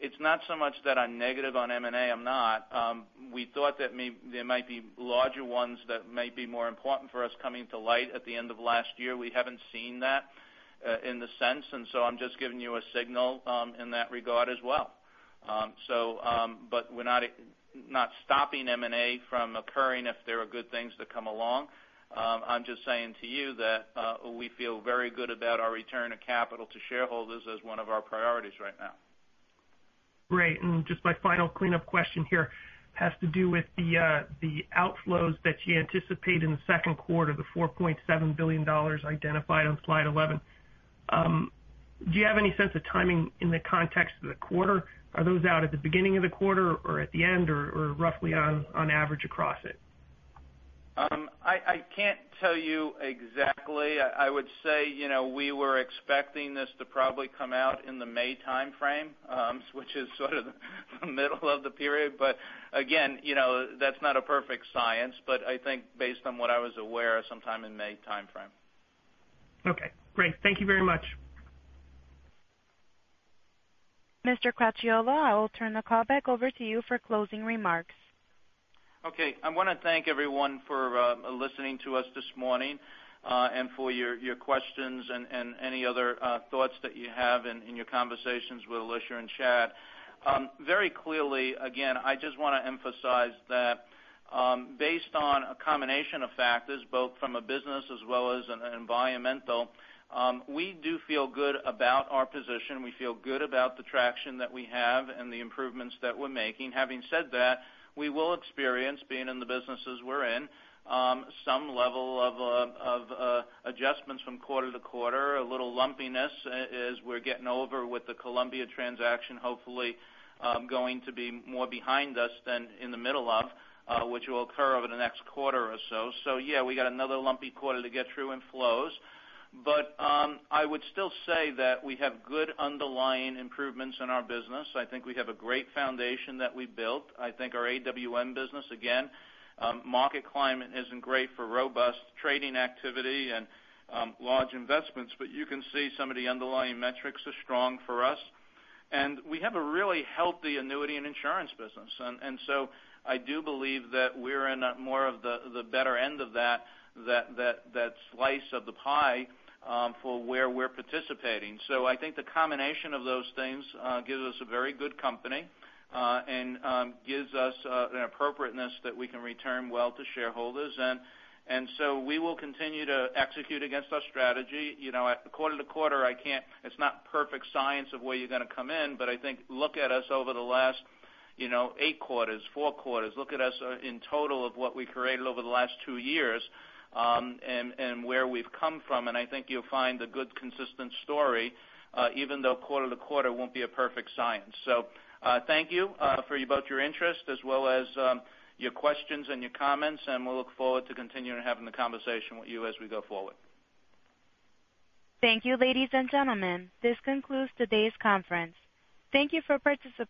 it's not so much that I'm negative on M&A, I'm not. We thought that there might be larger ones that might be more important for us coming to light at the end of last year. We haven't seen that in the sense, I'm just giving you a signal in that regard as well. We're not stopping M&A from occurring if there are good things that come along. I'm just saying to you that we feel very good about our return of capital to shareholders as one of our priorities right now. Great. Just my final cleanup question here has to do with the outflows that you anticipate in the second quarter, the $4.7 billion identified on slide 11. Do you have any sense of timing in the context of the quarter? Are those out at the beginning of the quarter or at the end or roughly on average across it? I can't tell you exactly. I would say, we were expecting this to probably come out in the May timeframe, which is sort of the middle of the period. Again, that's not a perfect science, but I think based on what I was aware, sometime in May timeframe. Okay, great. Thank you very much. Mr. Cracchiolo, I will turn the call back over to you for closing remarks. Okay. I want to thank everyone for listening to us this morning, and for your questions and any other thoughts that you have in your conversations with Alicia and Chad. Very clearly, again, I just want to emphasize that based on a combination of factors, both from a business as well as an environmental, we do feel good about our position. We feel good about the traction that we have and the improvements that we're making. Having said that, we will experience, being in the businesses we're in, some level of adjustments from quarter to quarter. A little lumpiness as we're getting over with the Columbia transaction, hopefully going to be more behind us than in the middle of, which will occur over the next quarter or so. Yeah, we got another lumpy quarter to get through in flows. I would still say that we have good underlying improvements in our business. I think we have a great foundation that we built. I think our AWM business, again, market climate isn't great for robust trading activity and large investments, you can see some of the underlying metrics are strong for us. We have a really healthy annuity and insurance business. I do believe that we're in a more of the better end of that slice of the pie, for where we're participating. I think the combination of those things gives us a very good company, and gives us an appropriateness that we can return well to shareholders. We will continue to execute against our strategy. Quarter to quarter, it's not perfect science of where you're going to come in, I think look at us over the last eight quarters, four quarters. Look at us in total of what we created over the last two years, and where we've come from, and I think you'll find a good, consistent story, even though quarter to quarter won't be a perfect science. Thank you for both your interest as well as your questions and your comments, and we'll look forward to continuing having the conversation with you as we go forward. Thank you, ladies and gentlemen. This concludes today's conference. Thank you for participating